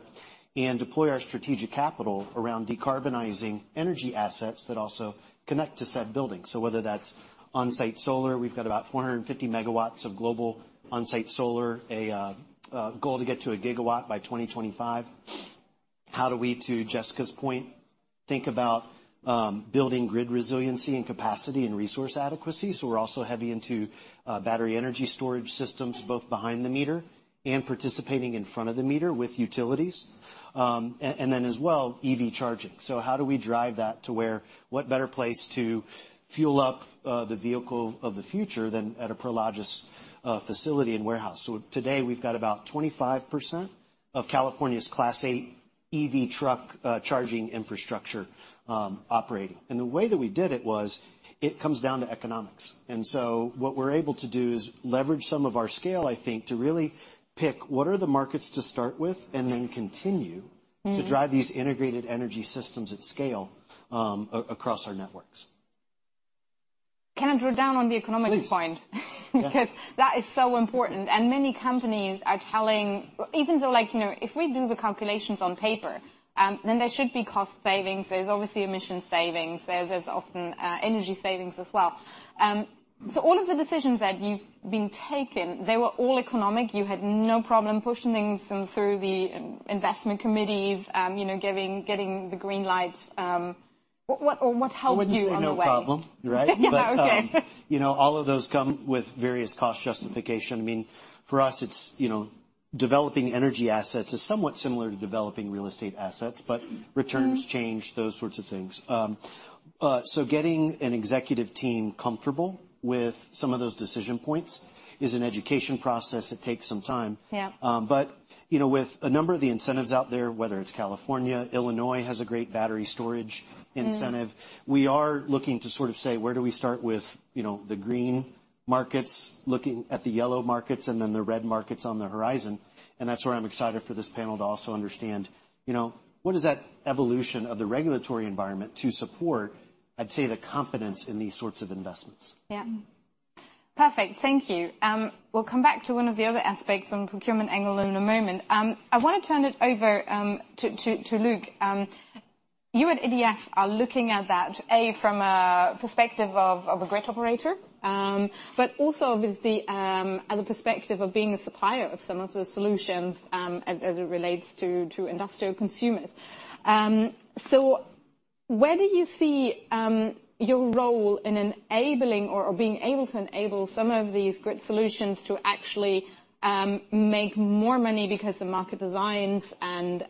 and deploy our strategic capital around decarbonizing energy assets that also connect to said buildings. So whether that's on-site solar, we've got about 450 MW of global on-site solar, a goal to get to 1 GW by 2025. How do we, to Jessica's point, think about building grid resiliency and capacity and resource adequacy? So we're also heavy into battery energy storage systems, both behind the meter and participating in front of the meter with utilities. And then as well, EV charging. So how do we drive that to where? What better place to fuel up the vehicle of the future than at a Prologis facility and warehouse? So today, we've got about 25% of California's Class 8 EV truck charging infrastructure operating. And the way that we did it was, it comes down to economics. And so what we're able to do is leverage some of our scale, I think, to really pick what are the markets to start with, and then continue- Mm. -to drive these integrated energy systems at scale, across our networks. Can I drill down on the economics point? Please. Yeah. Because that is so important, and many companies are telling, even though, like, you know, if we do the calculations on paper, then there should be cost savings. There's obviously emission savings. There's often energy savings as well. So all of the decisions that you've been taking, they were all economic. You had no problem pushing them through the investment committees, you know, getting the green light. What helped you on the way? I wouldn't say no problem, right? Yeah, okay. But, you know, all of those come with various cost justification. I mean, for us, it's, you know, developing energy assets is somewhat similar to developing real estate assets, but- Mm... returns change, those sorts of things. Getting an executive team comfortable with some of those decision points is an education process that takes some time. Yeah. But you know, with a number of the incentives out there, whether it's California, Illinois has a great battery storage incentive- Mm. We are looking to sort of say, where do we start with, you know, the green markets, looking at the yellow markets, and then the red markets on the horizon? And that's where I'm excited for this panel to also understand, you know, what is that evolution of the regulatory environment to support, I'd say, the confidence in these sorts of investments? Yeah. Perfect. Thank you. We'll come back to one of the other aspects from a procurement angle in a moment. I wanna turn it over to Luc. You at EDF are looking at that from a perspective of a grid operator, but also obviously, as a perspective of being a supplier of some of the solutions, as it relates to industrial consumers. So where do you see your role in enabling or being able to enable some of these grid solutions to actually make more money because the market designs and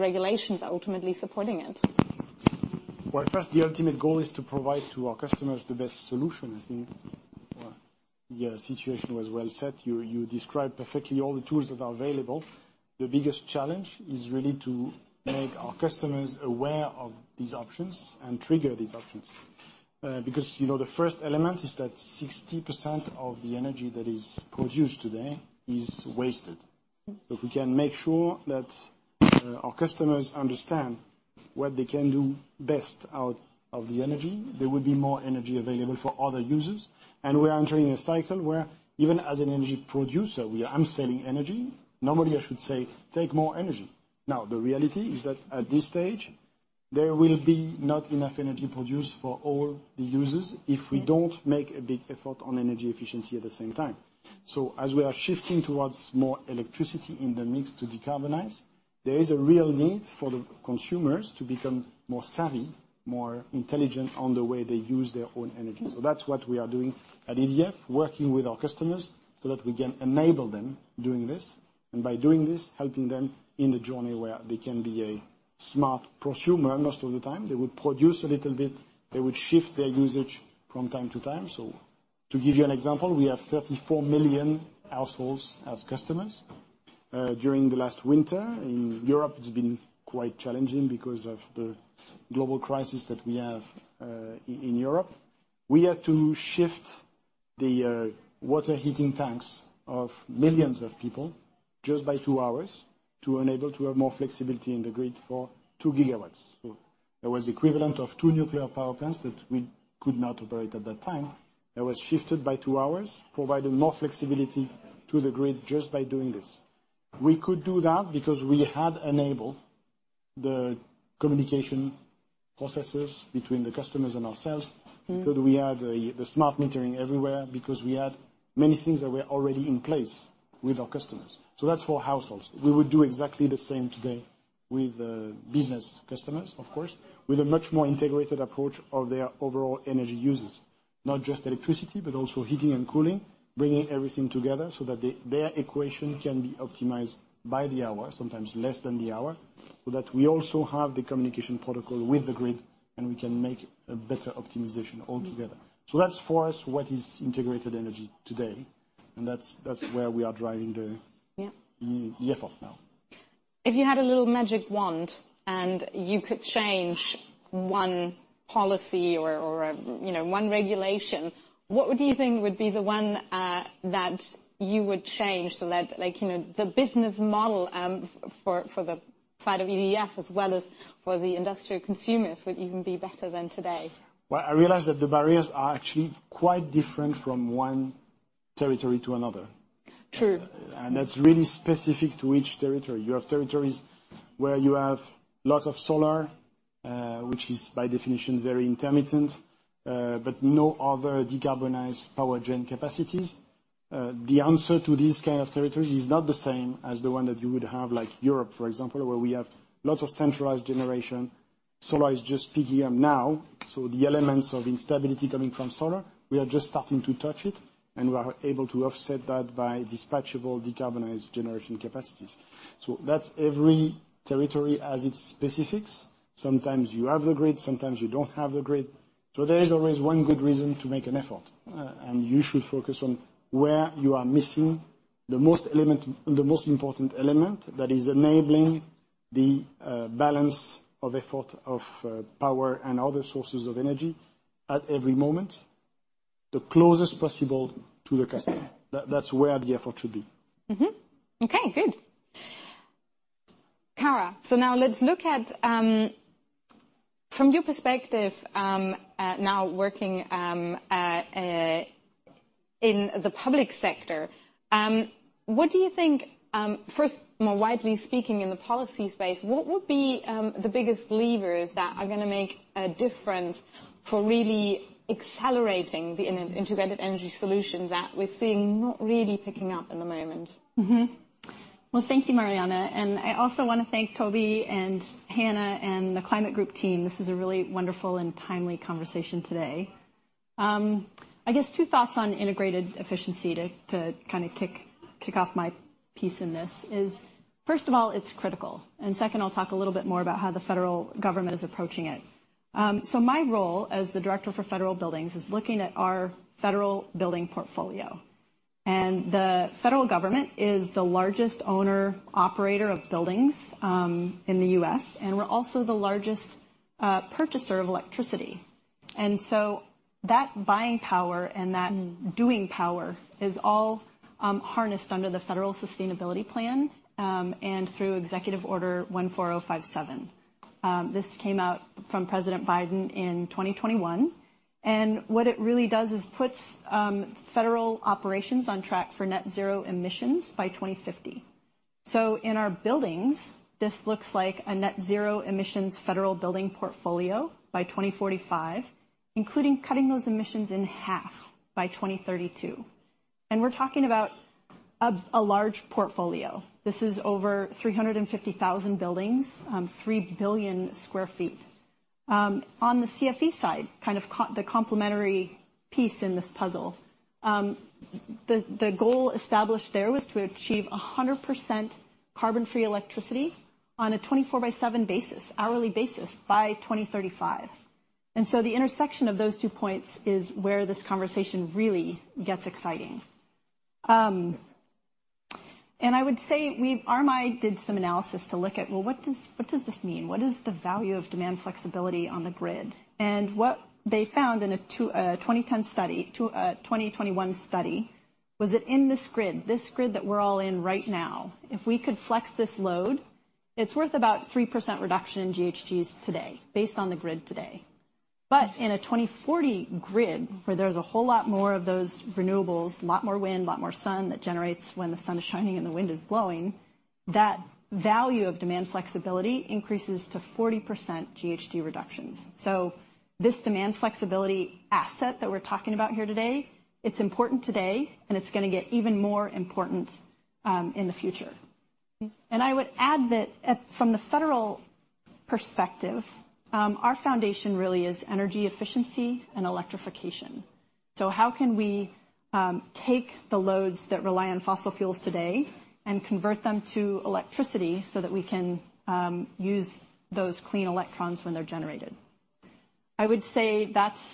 regulations are ultimately supporting it? Well, first, the ultimate goal is to provide to our customers the best solution. I think, yeah, the situation was well said. You, you described perfectly all the tools that are available. The biggest challenge is really to make our customers aware of these options and trigger these options. Because, you know, the first element is that 60% of the energy that is produced today is wasted. If we can make sure that our customers understand what they can do best out of the energy, there will be more energy available for other users. And we are entering a cycle where, even as an energy producer, we are... I'm selling energy, normally, I should say, "Take more energy." Now, the reality is that at this stage, there will be not enough energy produced for all the users if we don't make a big effort on energy efficiency at the same time. So as we are shifting towards more electricity in the mix to decarbonize, there is a real need for the consumers to become more savvy, more intelligent on the way they use their own energy. So that's what we are doing at EDF, working with our customers so that we can enable them doing this, and by doing this, helping them in the journey where they can be a smart prosumer, most of the time. They would produce a little bit, they would shift their usage from time to time. So to give you an example, we have 34 million households as customers. During the last winter in Europe, it's been quite challenging because of the global crisis that we have in Europe. We had to shift the water heating tanks of millions of people just by two hours to enable to have more flexibility in the grid for two GW. So that was equivalent of two nuclear power plants that we could not operate at that time. That was shifted by two hours, providing more flexibility to the grid just by doing this. We could do that because we had enabled the communication processes between the customers and ourselves- Mm because we had the smart metering everywhere, because we had many things that were already in place with our customers. So that's for households. We would do exactly the same today with business customers, of course, with a much more integrated approach of their overall energy uses. Not just electricity, but also heating and cooling, bringing everything together so that their equation can be optimized by the hour, sometimes less than the hour... so that we also have the communication protocol with the grid, and we can make a better optimization altogether. Mm-hmm. So that's for us, what is integrated energy today, and that's, that's where we are driving the- Yeah The effort now. If you had a little magic wand, and you could change one policy or you know, one regulation, what would you think would be the one that you would change so that, like, you know, the business model for the side of EDF, as well as for the industrial consumers, would even be better than today? Well, I realize that the barriers are actually quite different from one territory to another. True. That's really specific to each territory. You have territories where you have lots of solar, which is, by definition, very intermittent, but no other decarbonized power gen capacities. The answer to this kind of territory is not the same as the one that you would have, like Europe, for example, where we have lots of centralized generation. Solar is just peaky on now, so the elements of instability coming from solar, we are just starting to touch it, and we are able to offset that by dispatchable, decarbonized generation capacities. So that's every territory has its specifics. Sometimes you have the grid, sometimes you don't have the grid, so there is always one good reason to make an effort, and you should focus on where you are missing the most element, the most important element that is enabling the balance of effort of power and other sources of energy at every moment, the closest possible to the customer. That, that's where the effort should be. Mm-hmm. Okay, good. Cara, so now let's look at, from your perspective, now working in the public sector, what do you think, first, more widely speaking, in the policy space, what would be the biggest levers that are gonna make a difference for really accelerating the integrated energy solutions that we're seeing not really picking up at the moment? Mm-hmm. Well, thank you, Mariana, and I also want to thank Toby and Hannah and the Climate Group team. This is a really wonderful and timely conversation today. I guess two thoughts on integrated efficiency to kind of kick off my piece in this is, first of all, it's critical, and second, I'll talk a little bit more about how the federal government is approaching it. So my role as the director for federal buildings is looking at our federal building portfolio, and the federal government is the largest owner/operator of buildings in the U.S., and we're also the largest purchaser of electricity. And so that buying power and that- Mm Doing power is all harnessed under the Federal Sustainability Plan and through Executive Order 14057. This came out from President Biden in 2021, and what it really does is puts federal operations on track for net zero emissions by 2050. So in our buildings, this looks like a net zero emissions federal building portfolio by 2045, including cutting those emissions in half by 2032. And we're talking about a large portfolio. This is over 350,000 buildings, 3 billion sq ft. On the CFE side, kind of the complementary piece in this puzzle, the goal established there was to achieve 100% carbon-free electricity on a 24/7 basis, hourly basis, by 2035. And so the intersection of those two points is where this conversation really gets exciting. And I would say we've... RMI did some analysis to look at, well, what does, what does this mean? What is the value of demand flexibility on the grid? And what they found in a 2010 study to a 2021 study was that in this grid, this grid that we're all in right now, if we could flex this load, it's worth about 3% reduction in GHGs today, based on the grid today. But in a 2040 grid, where there's a whole lot more of those renewables, a lot more wind, a lot more sun that generates when the sun is shining and the wind is blowing, that value of demand flexibility increases to 40% GHG reductions. So this demand flexibility asset that we're talking about here today, it's important today, and it's gonna get even more important in the future. I would add that from the federal perspective, our foundation really is energy efficiency and electrification. So how can we take the loads that rely on fossil fuels today and convert them to electricity so that we can use those clean electrons when they're generated? I would say that's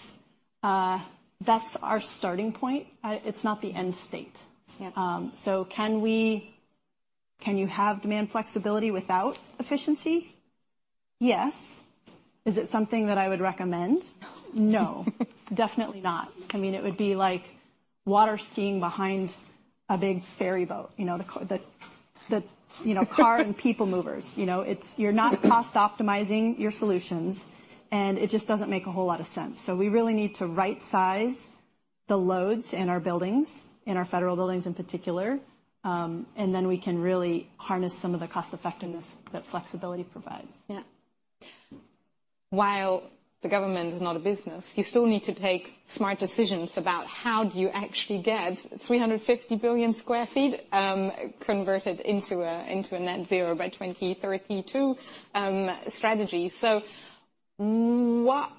our starting point. It's not the end state. Yeah. So, can you have demand flexibility without efficiency? Yes. Is it something that I would recommend? No. No, definitely not. I mean, it would be like water skiing behind a big ferry boat, you know, the car and people movers, you know. It's, you're not cost-optimizing your solutions, and it just doesn't make a whole lot of sense. So we really need to right-size the loads in our buildings, in our federal buildings in particular, and then we can really harness some of the cost effectiveness that flexibility provides. Yeah. While the government is not a business, you still need to take smart decisions about how do you actually get 350 billion sq ft converted into a net zero by 2032 strategy. What,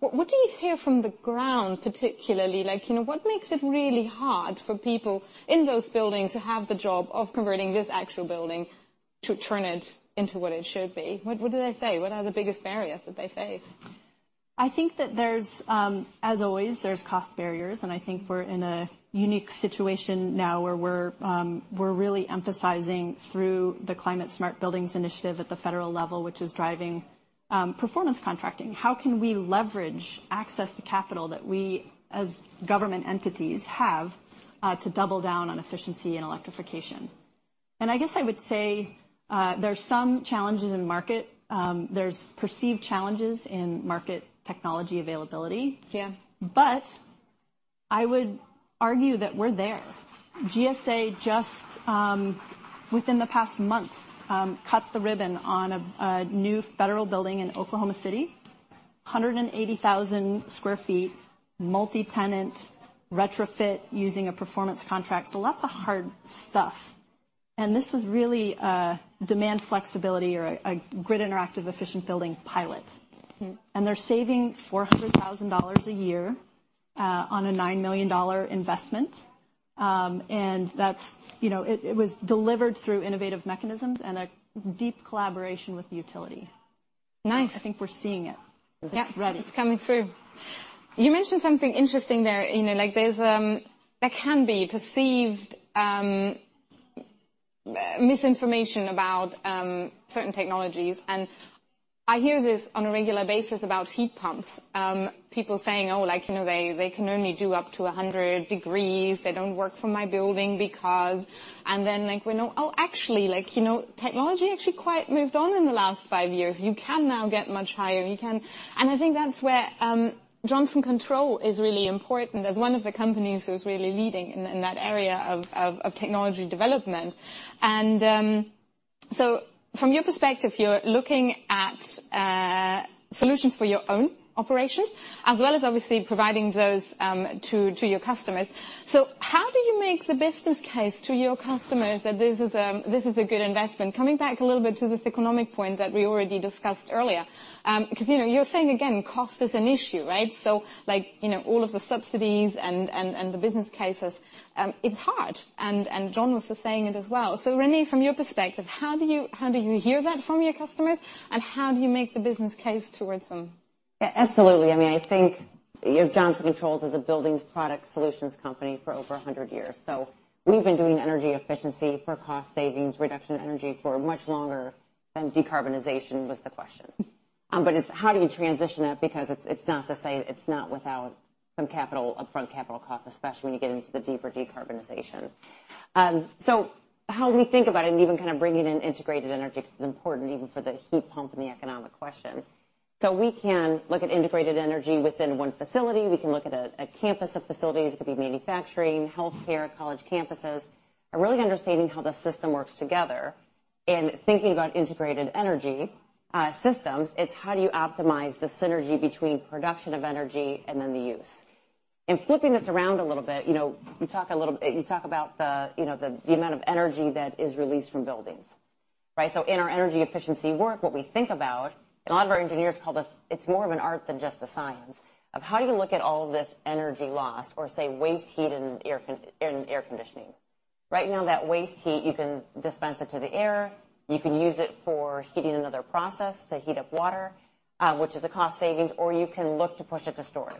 what do you hear from the ground, particularly? Like, you know, what makes it really hard for people in those buildings who have the job of converting this actual building to turn it into what it should be? What, what do they say? What are the biggest barriers that they face? I think that there's, as always, there's cost barriers, and I think we're in a unique situation now where we're, we're really emphasizing through the Climate Smart Buildings Initiative at the federal level, which is driving, performance contracting. How can we leverage access to capital that we, as government entities, have, to double down on efficiency and electrification? And I guess I would say, there are some challenges in market. There's perceived challenges in market technology availability. Yeah. I would argue that we're there. GSA just within the past month cut the ribbon on a new federal building in Oklahoma City, 180,000 sq ft, multi-tenant retrofit using a performance contract, so lots of hard stuff. And this was really a demand flexibility or a grid-interactive efficient building pilot. Mm. And they're saving $400,000 a year, on a $9 million investment. And that's. You know, it was delivered through innovative mechanisms and a deep collaboration with the utility. Nice! I think we're seeing it. Yeah. It's ready. It's coming through. You mentioned something interesting there. You know, like, there's there can be perceived misinformation about certain technologies, and I hear this on a regular basis about heat pumps. People saying, "Oh, like, you know, they, they can only do up to 100 degrees. They don't work for my building because..." And then, like, we know, oh, actually, like, you know, technology actually quite moved on in the last five years. You can now get much higher, you can-- And I think that's where Johnson Controls is really important, as one of the companies who's really leading in, in that area of, of, of technology development. And so from your perspective, you're looking at solutions for your own operations, as well as obviously providing those to, to your customers. So how do you make the business case to your customers that this is a good investment? Coming back a little bit to this economic point that we already discussed earlier, 'cause, you know, you're saying again, cost is an issue, right? So, like, you know, all of the subsidies and the business cases, it's hard, and John was just saying it as well. So Renee, from your perspective, how do you, how do you hear that from your customers, and how do you make the business case towards them? Yeah, absolutely. I mean, I think, you know, Johnson Controls is a buildings product solutions company for over 100 years, so we've been doing energy efficiency for cost savings, reduction in energy, for much longer than decarbonization was the question. Mm. But it's how do you transition it? Because it's, it's not to say it's not without some capital, upfront capital costs, especially when you get into the deeper decarbonization. So how we think about it, and even kind of bringing in integrated energy, 'cause it's important even for the heat pump and the economic question. So we can look at integrated energy within one facility, we can look at a, a campus of facilities, it could be manufacturing, healthcare, college campuses, and really understanding how the system works together. In thinking about integrated energy, systems, it's how do you optimize the synergy between production of energy and then the use? In flipping this around a little bit, you know, you talk a little... You talk about the, you know, the, the amount of energy that is released from buildings, right? So in our energy efficiency work, what we think about, and a lot of our engineers call this, it's more of an art than just a science, of how do you look at all of this energy lost, or say, waste heat in air con, in air conditioning. Right now, that waste heat, you can dispense it to the air, you can use it for heating another process, to heat up water, which is a cost savings, or you can look to push it to storage,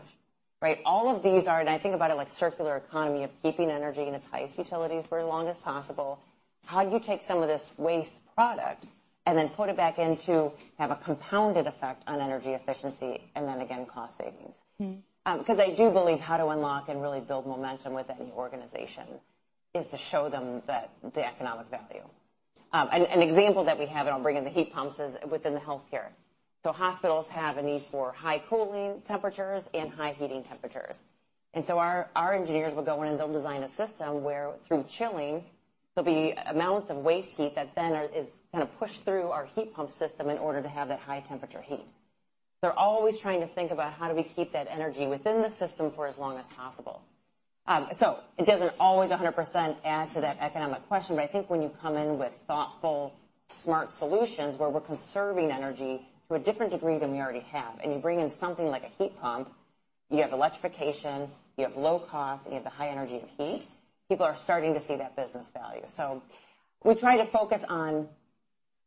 right? All of these are, and I think about it like circular economy of keeping energy in its highest utilities for as long as possible. How do you take some of this waste product and then put it back in to have a compounded effect on energy efficiency and then again, cost savings? Mm-hmm. 'Cause I do believe how to unlock and really build momentum with any organization is to show them the economic value. An example that we have, and I'll bring in the heat pumps, is within the healthcare. So hospitals have a need for high cooling temperatures and high heating temperatures. And so our engineers will go in, and they'll design a system where, through chilling, there'll be amounts of waste heat that then is kinda pushed through our heat pump system in order to have that high-temperature heat. They're always trying to think about how do we keep that energy within the system for as long as possible. So it doesn't always a hundred percent add to that economic question, but I think when you come in with thoughtful, smart solutions, where we're conserving energy to a different degree than we already have, and you bring in something like a heat pump, you have electrification, you have low cost, and you have the high energy of heat, people are starting to see that business value. So we try to focus on,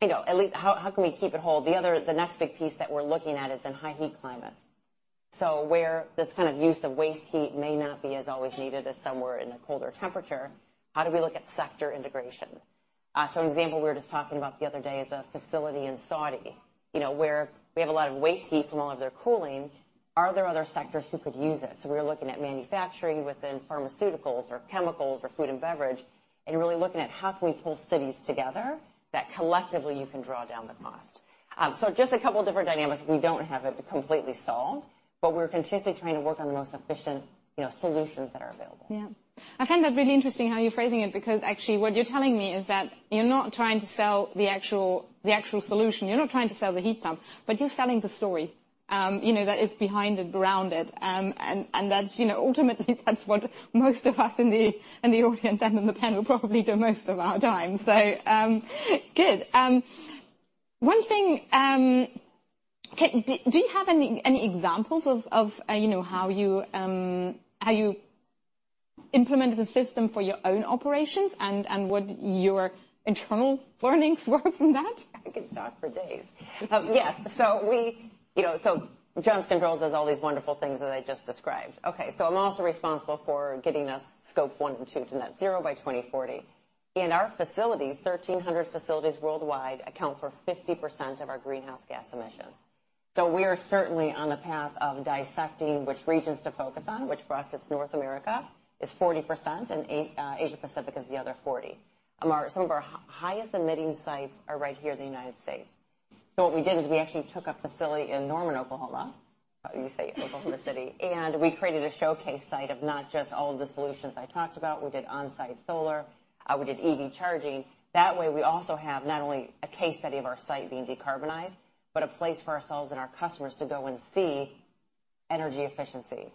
you know, at least how, how can we keep it whole? The other, the next big piece that we're looking at is in high heat climates. So where this kind of use of waste heat may not be as always needed as somewhere in a colder temperature, how do we look at sector integration? So an example we were just talking about the other day is a facility in Saudi, you know, where we have a lot of waste heat from all of their cooling. Are there other sectors who could use it? So we're looking at manufacturing within pharmaceuticals or chemicals or food and beverage and really looking at how can we pull cities together, that collectively you can draw down the cost. So just a couple different dynamics. We don't have it completely solved, but we're continuously trying to work on the most efficient, you know, solutions that are available. Yeah. I find that really interesting how you're phrasing it, because actually what you're telling me is that you're not trying to sell the actual, the actual solution. You're not trying to sell the heat pump, but you're selling the story, you know, that is behind it, grounded. And that's, you know, ultimately, that's what most of us in the audience and in the panel probably do most of our time. So, good. One thing, do you have any examples of, you know, how you implemented a system for your own operations, and what your internal learnings were from that? I could talk for days. Yes. So we, you know, so Johnson Controls does all these wonderful things that I just described. Okay, so I'm also responsible for getting us Scope one and two to Net zero by 2040. In our facilities, 1,300 facilities worldwide account for 50% of our greenhouse gas emissions. So we are certainly on the path of dissecting which regions to focus on, which for us, it's North America, is 40%, and Asia Pacific is the other 40%. Our some of our highest emitting sites are right here in the United States. So what we did is we actually took a facility in Norman, Oklahoma, you say Oklahoma City, and we created a showcase site of not just all of the solutions I talked about. We did on-site solar, we did EV charging. That way, we also have not only a case study of our site being decarbonized, but a place for ourselves and our customers to go and see energy efficiency,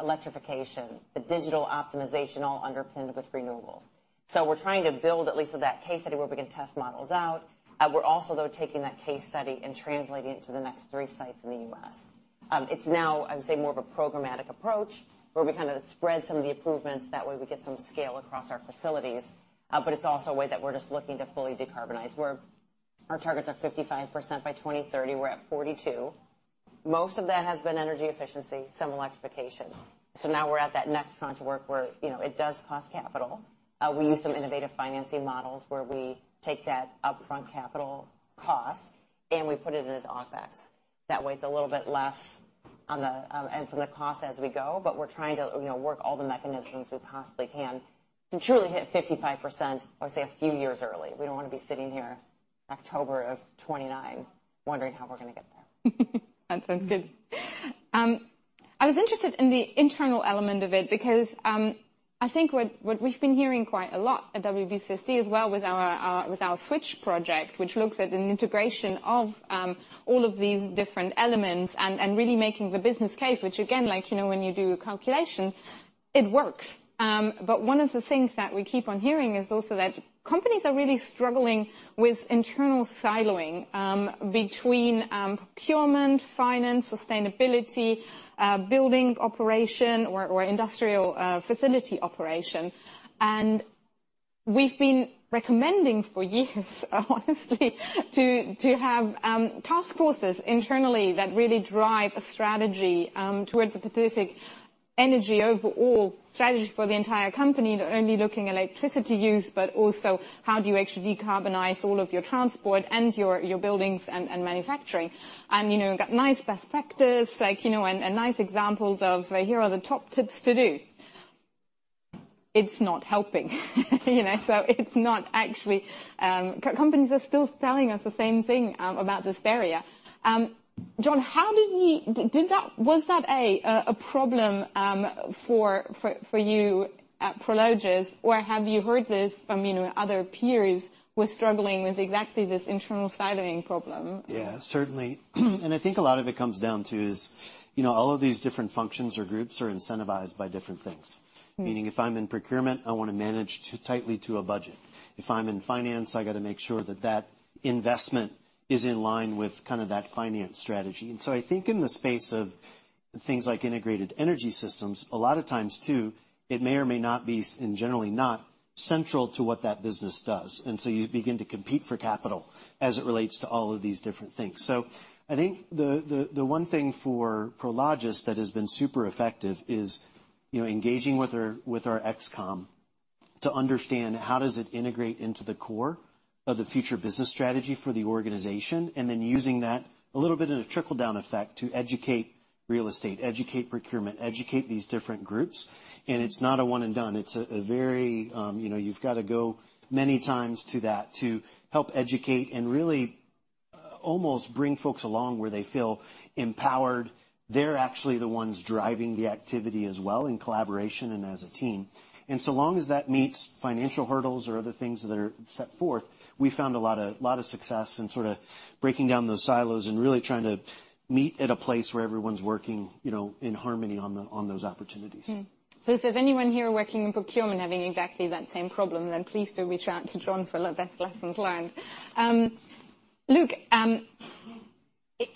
electrification, the digital optimization underpinned with renewables. So we're trying to build at least that case study where we can test models out. We're also, though, taking that case study and translating it to the next 3 sites in the U.S. It's now, I would say, more of a programmatic approach, where we kinda spread some of the improvements. That way, we get some scale across our facilities, but it's also a way that we're just looking to fully decarbonize. Our targets are 55% by 2030. We're at 42. Most of that has been energy efficiency, some electrification. So now we're at that next tranche of work where, you know, it does cost capital. We use some innovative financing models, where we take that upfront capital cost, and we put it in as OpEx. That way, it's a little bit less on the and from the cost as we go, but we're trying to, you know, work all the mechanisms we possibly can to truly hit 55%, let's say, a few years early. We don't wanna be sitting here October of 2029, wondering how we're gonna get there. That sounds good. I was interested in the internal element of it because, I think what, what we've been hearing quite a lot at WBCSD as well with our, with our Switch project, which looks at the integration of, all of these different elements and, and really making the business case, which again, like, you know, when you do a calculation, it works. But one of the things that we keep on hearing is also that companies are really struggling with internal siloing, between, procurement, finance, sustainability, building operation or, or industrial, facility operation. We've been recommending for years, honestly, to have task forces internally that really drive a strategy towards a specific energy overall strategy for the entire company, to only looking electricity use, but also how do you actually decarbonize all of your transport and your buildings and manufacturing? And, you know, we've got nice best practice, like, you know, and nice examples of, well, here are the top tips to do. It's not helping. You know, so it's not actually... Companies are still telling us the same thing about this area. John, how did you Did that Was that a problem for you at Prologis, or have you heard this from, you know, other peers who are struggling with exactly this internal siloing problem? Yeah, certainly. And I think a lot of it comes down to is, you know, all of these different functions or groups are incentivized by different things. Mm. Meaning, if I'm in procurement, I wanna manage to tightly to a budget. If I'm in finance, I gotta make sure that that investment is in line with kinda that finance strategy. And so I think in the space of things like integrated energy systems, a lot of times, too, it may or may not be, and generally not, central to what that business does. And so you begin to compete for capital as it relates to all of these different things. So I think the one thing for Prologis that has been super effective is, you know, engaging with our ExCom to understand how does it integrate into the core of the future business strategy for the organization, and then using that, a little bit in a trickle-down effect, to educate real estate, educate procurement, educate these different groups, and it's not a one and done. It's a very... You know, you've got to go many times to that to help educate and really, almost bring folks along where they feel empowered. They're actually the ones driving the activity as well in collaboration and as a team. And so long as that meets financial hurdles or other things that are set forth, we found a lot of, lot of success in sorta breaking down those silos and really trying to meet at a place where everyone's working, you know, in harmony on those opportunities. So if there's anyone here working in procurement having exactly that same problem, then please do reach out to John for the best lessons learned. Luc,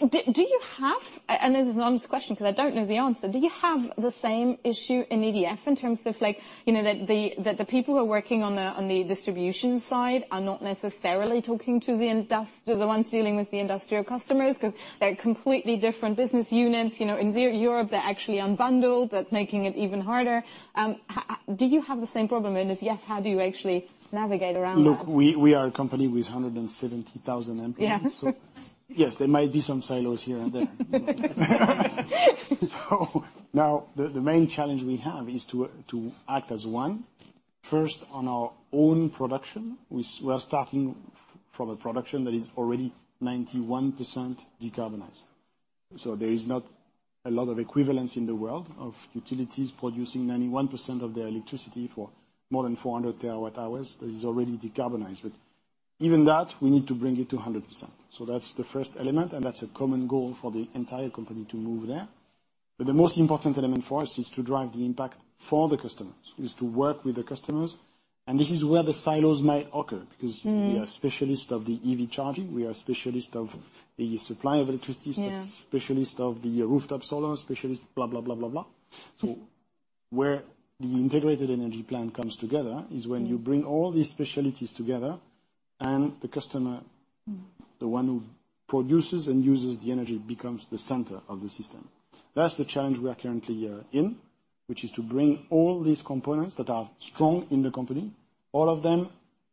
do you have, and this is an honest question because I don't know the answer, do you have the same issue in EDF in terms of like, you know, that the people who are working on the distribution side are not necessarily talking to the ones dealing with the industrial customers? 'Cause they're completely different business units. You know, in Europe, they're actually unbundled, making it even harder. Do you have the same problem, and if yes, how do you actually navigate around that? Look, we are a company with 170,000 employees. Yeah. So yes, there might be some silos here and there. So now the main challenge we have is to act as one, first, on our own production. We are starting from a production that is already 91% decarbonized, so there is not a lot of equivalence in the world of utilities producing 91% of their electricity for more than 400 terawatt-hours. It is already decarbonized, but even that, we need to bring it to 100%. So that's the first element, and that's a common goal for the entire company to move there. But the most important element for us is to drive the impact for the customers, is to work with the customers-... And this is where the silos might occur, because- Mm. We are specialist of the EV charging, we are specialist of the supply of electricity. Yeah Specialist of the rooftop solar. Mm. Where the integrated energy plan comes together is when- Mm you bring all these specialties together, and the customer- Mm the one who produces and uses the energy, becomes the center of the system. That's the challenge we are currently in, which is to bring all these components that are strong in the company, all of them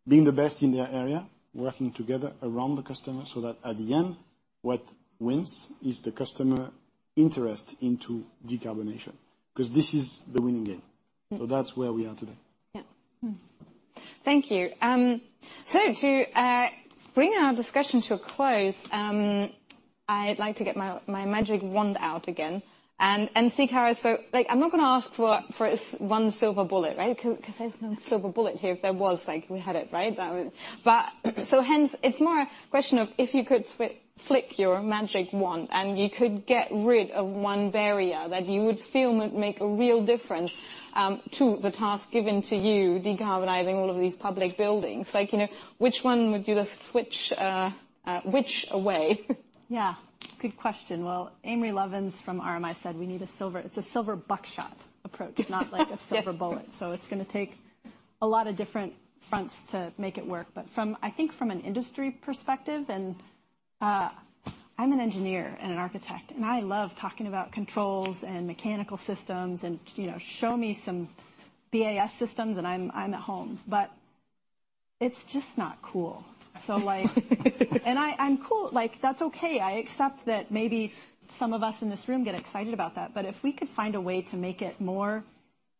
being the best in their area, working together around the customer, so that at the end, what wins is the customer interest into decarbonization, 'cause this is the winning game. Mm. So that's where we are today. Yeah. Thank you. So to bring our discussion to a close, I'd like to get my magic wand out again and see Cara. So, like, I'm not gonna ask for one silver bullet, right? 'Cause there's no silver bullet here. If there was, like, we had it, right? But, so hence, it's more a question of if you could flick your magic wand, and you could get rid of one barrier that you would feel would make a real difference to the task given to you, decarbonizing all of these public buildings, like, you know, which one would you just switch which away? Yeah, good question. Well, Amory Lovins, from RMI, said, "We need a silver... It's a silver buckshot approach not like a silver bullet." So it's gonna take a lot of different fronts to make it work. But from, I think, from an industry perspective, and, I'm an engineer and an architect, and I love talking about controls and mechanical systems and, you know, show me some BAS systems, and I'm, I'm at home, but it's just not cool. So, like, and I, I'm cool. Like, that's okay. I accept that maybe some of us in this room get excited about that, but if we could find a way to make it more interesting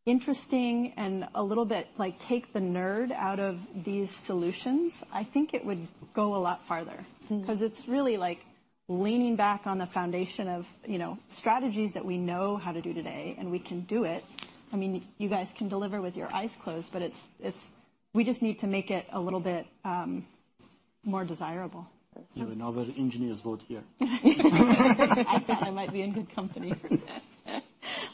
and a little bit, like, take the nerd out of these solutions, I think it would go a lot farther. Mm. 'Cause it's really like leaning back on the foundation of, you know, strategies that we know how to do today, and we can do it. I mean, you guys can deliver with your eyes closed, but it's... We just need to make it a little bit more desirable. Yeah, we know that engineers vote here. I thought I might be in good company.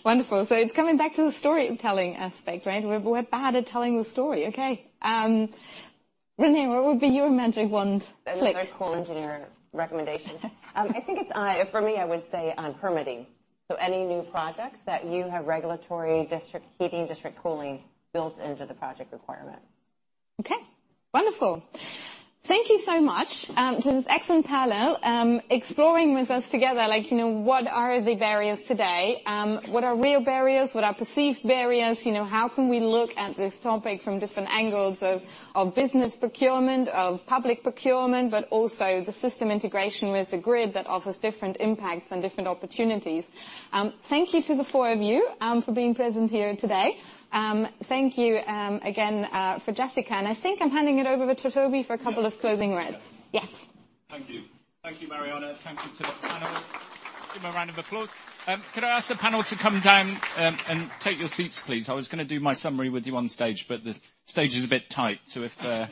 Wonderful. So it's coming back to the storytelling aspect, right? We're, we're bad at telling the story. Okay, Renee, what would be your magic wand flick? That's a very cool engineer recommendation. I think it's, for me, I would say on permitting. So any new projects that you have regulatory district heating, district cooling, built into the project requirement. Okay, wonderful. Thank you so much to this excellent panel exploring with us together, like, you know, what are the barriers today, what are real barriers, what are perceived barriers? You know, how can we look at this topic from different angles of business procurement, of public procurement, but also the system integration with the grid that offers different impacts and different opportunities. Thank you to the four of you for being present here today. Thank you again for Jessica, and I think I'm handing it over to Toby for a couple of closing remarks. Yes. Yes. Thank you. Thank you, Mariana. Thank you to the panel. Give them a round of applause. Could I ask the panel to come down and take your seats, please? I was gonna do my summary with you on stage, but the stage is a bit tight, so if I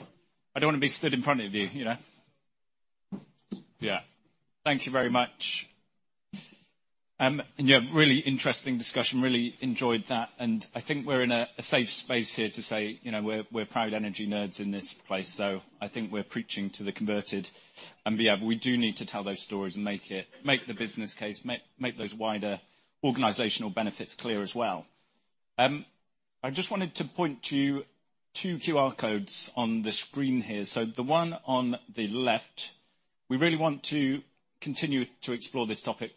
don't want to be stood in front of you, you know? Yeah. Thank you very much. And yeah, really interesting discussion. Really enjoyed that, and I think we're in a safe space here to say, you know, we're proud energy nerds in this place, so I think we're preaching to the converted. But yeah, we do need to tell those stories and make it, make the business case, make those wider organizational benefits clear as well. I just wanted to point to two QR codes on the screen here. So the one on the left, we really want to continue to explore this topic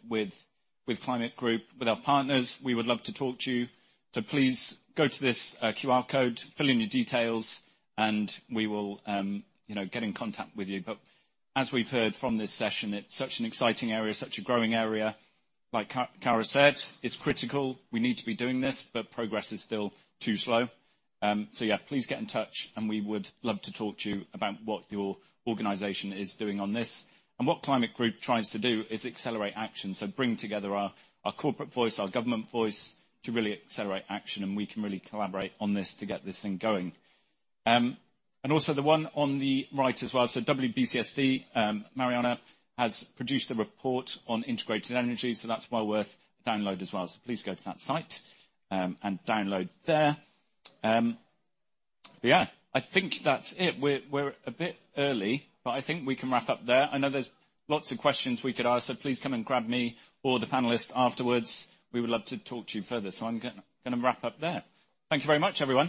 with Climate Group, with our partners. We would love to talk to you. So please go to this QR code, fill in your details, and we will, you know, get in contact with you. But as we've heard from this session, it's such an exciting area, such a growing area. Like Cara said, it's critical, we need to be doing this, but progress is still too slow. So yeah, please get in touch, and we would love to talk to you about what your organization is doing on this. And what Climate Group tries to do is accelerate action, so bring together our corporate voice, our government voice, to really accelerate action, and we can really collaborate on this to get this thing going. And also the one on the right as well, so WBCSD, Mariana, has produced a report on integrated energy, so that's well worth a download as well. So please go to that site, and download there. But yeah, I think that's it. We're a bit early, but I think we can wrap up there. I know there's lots of questions we could ask, so please come and grab me or the panelists afterwards. We would love to talk to you further. So I'm gonna wrap up there. Thank you very much, everyone.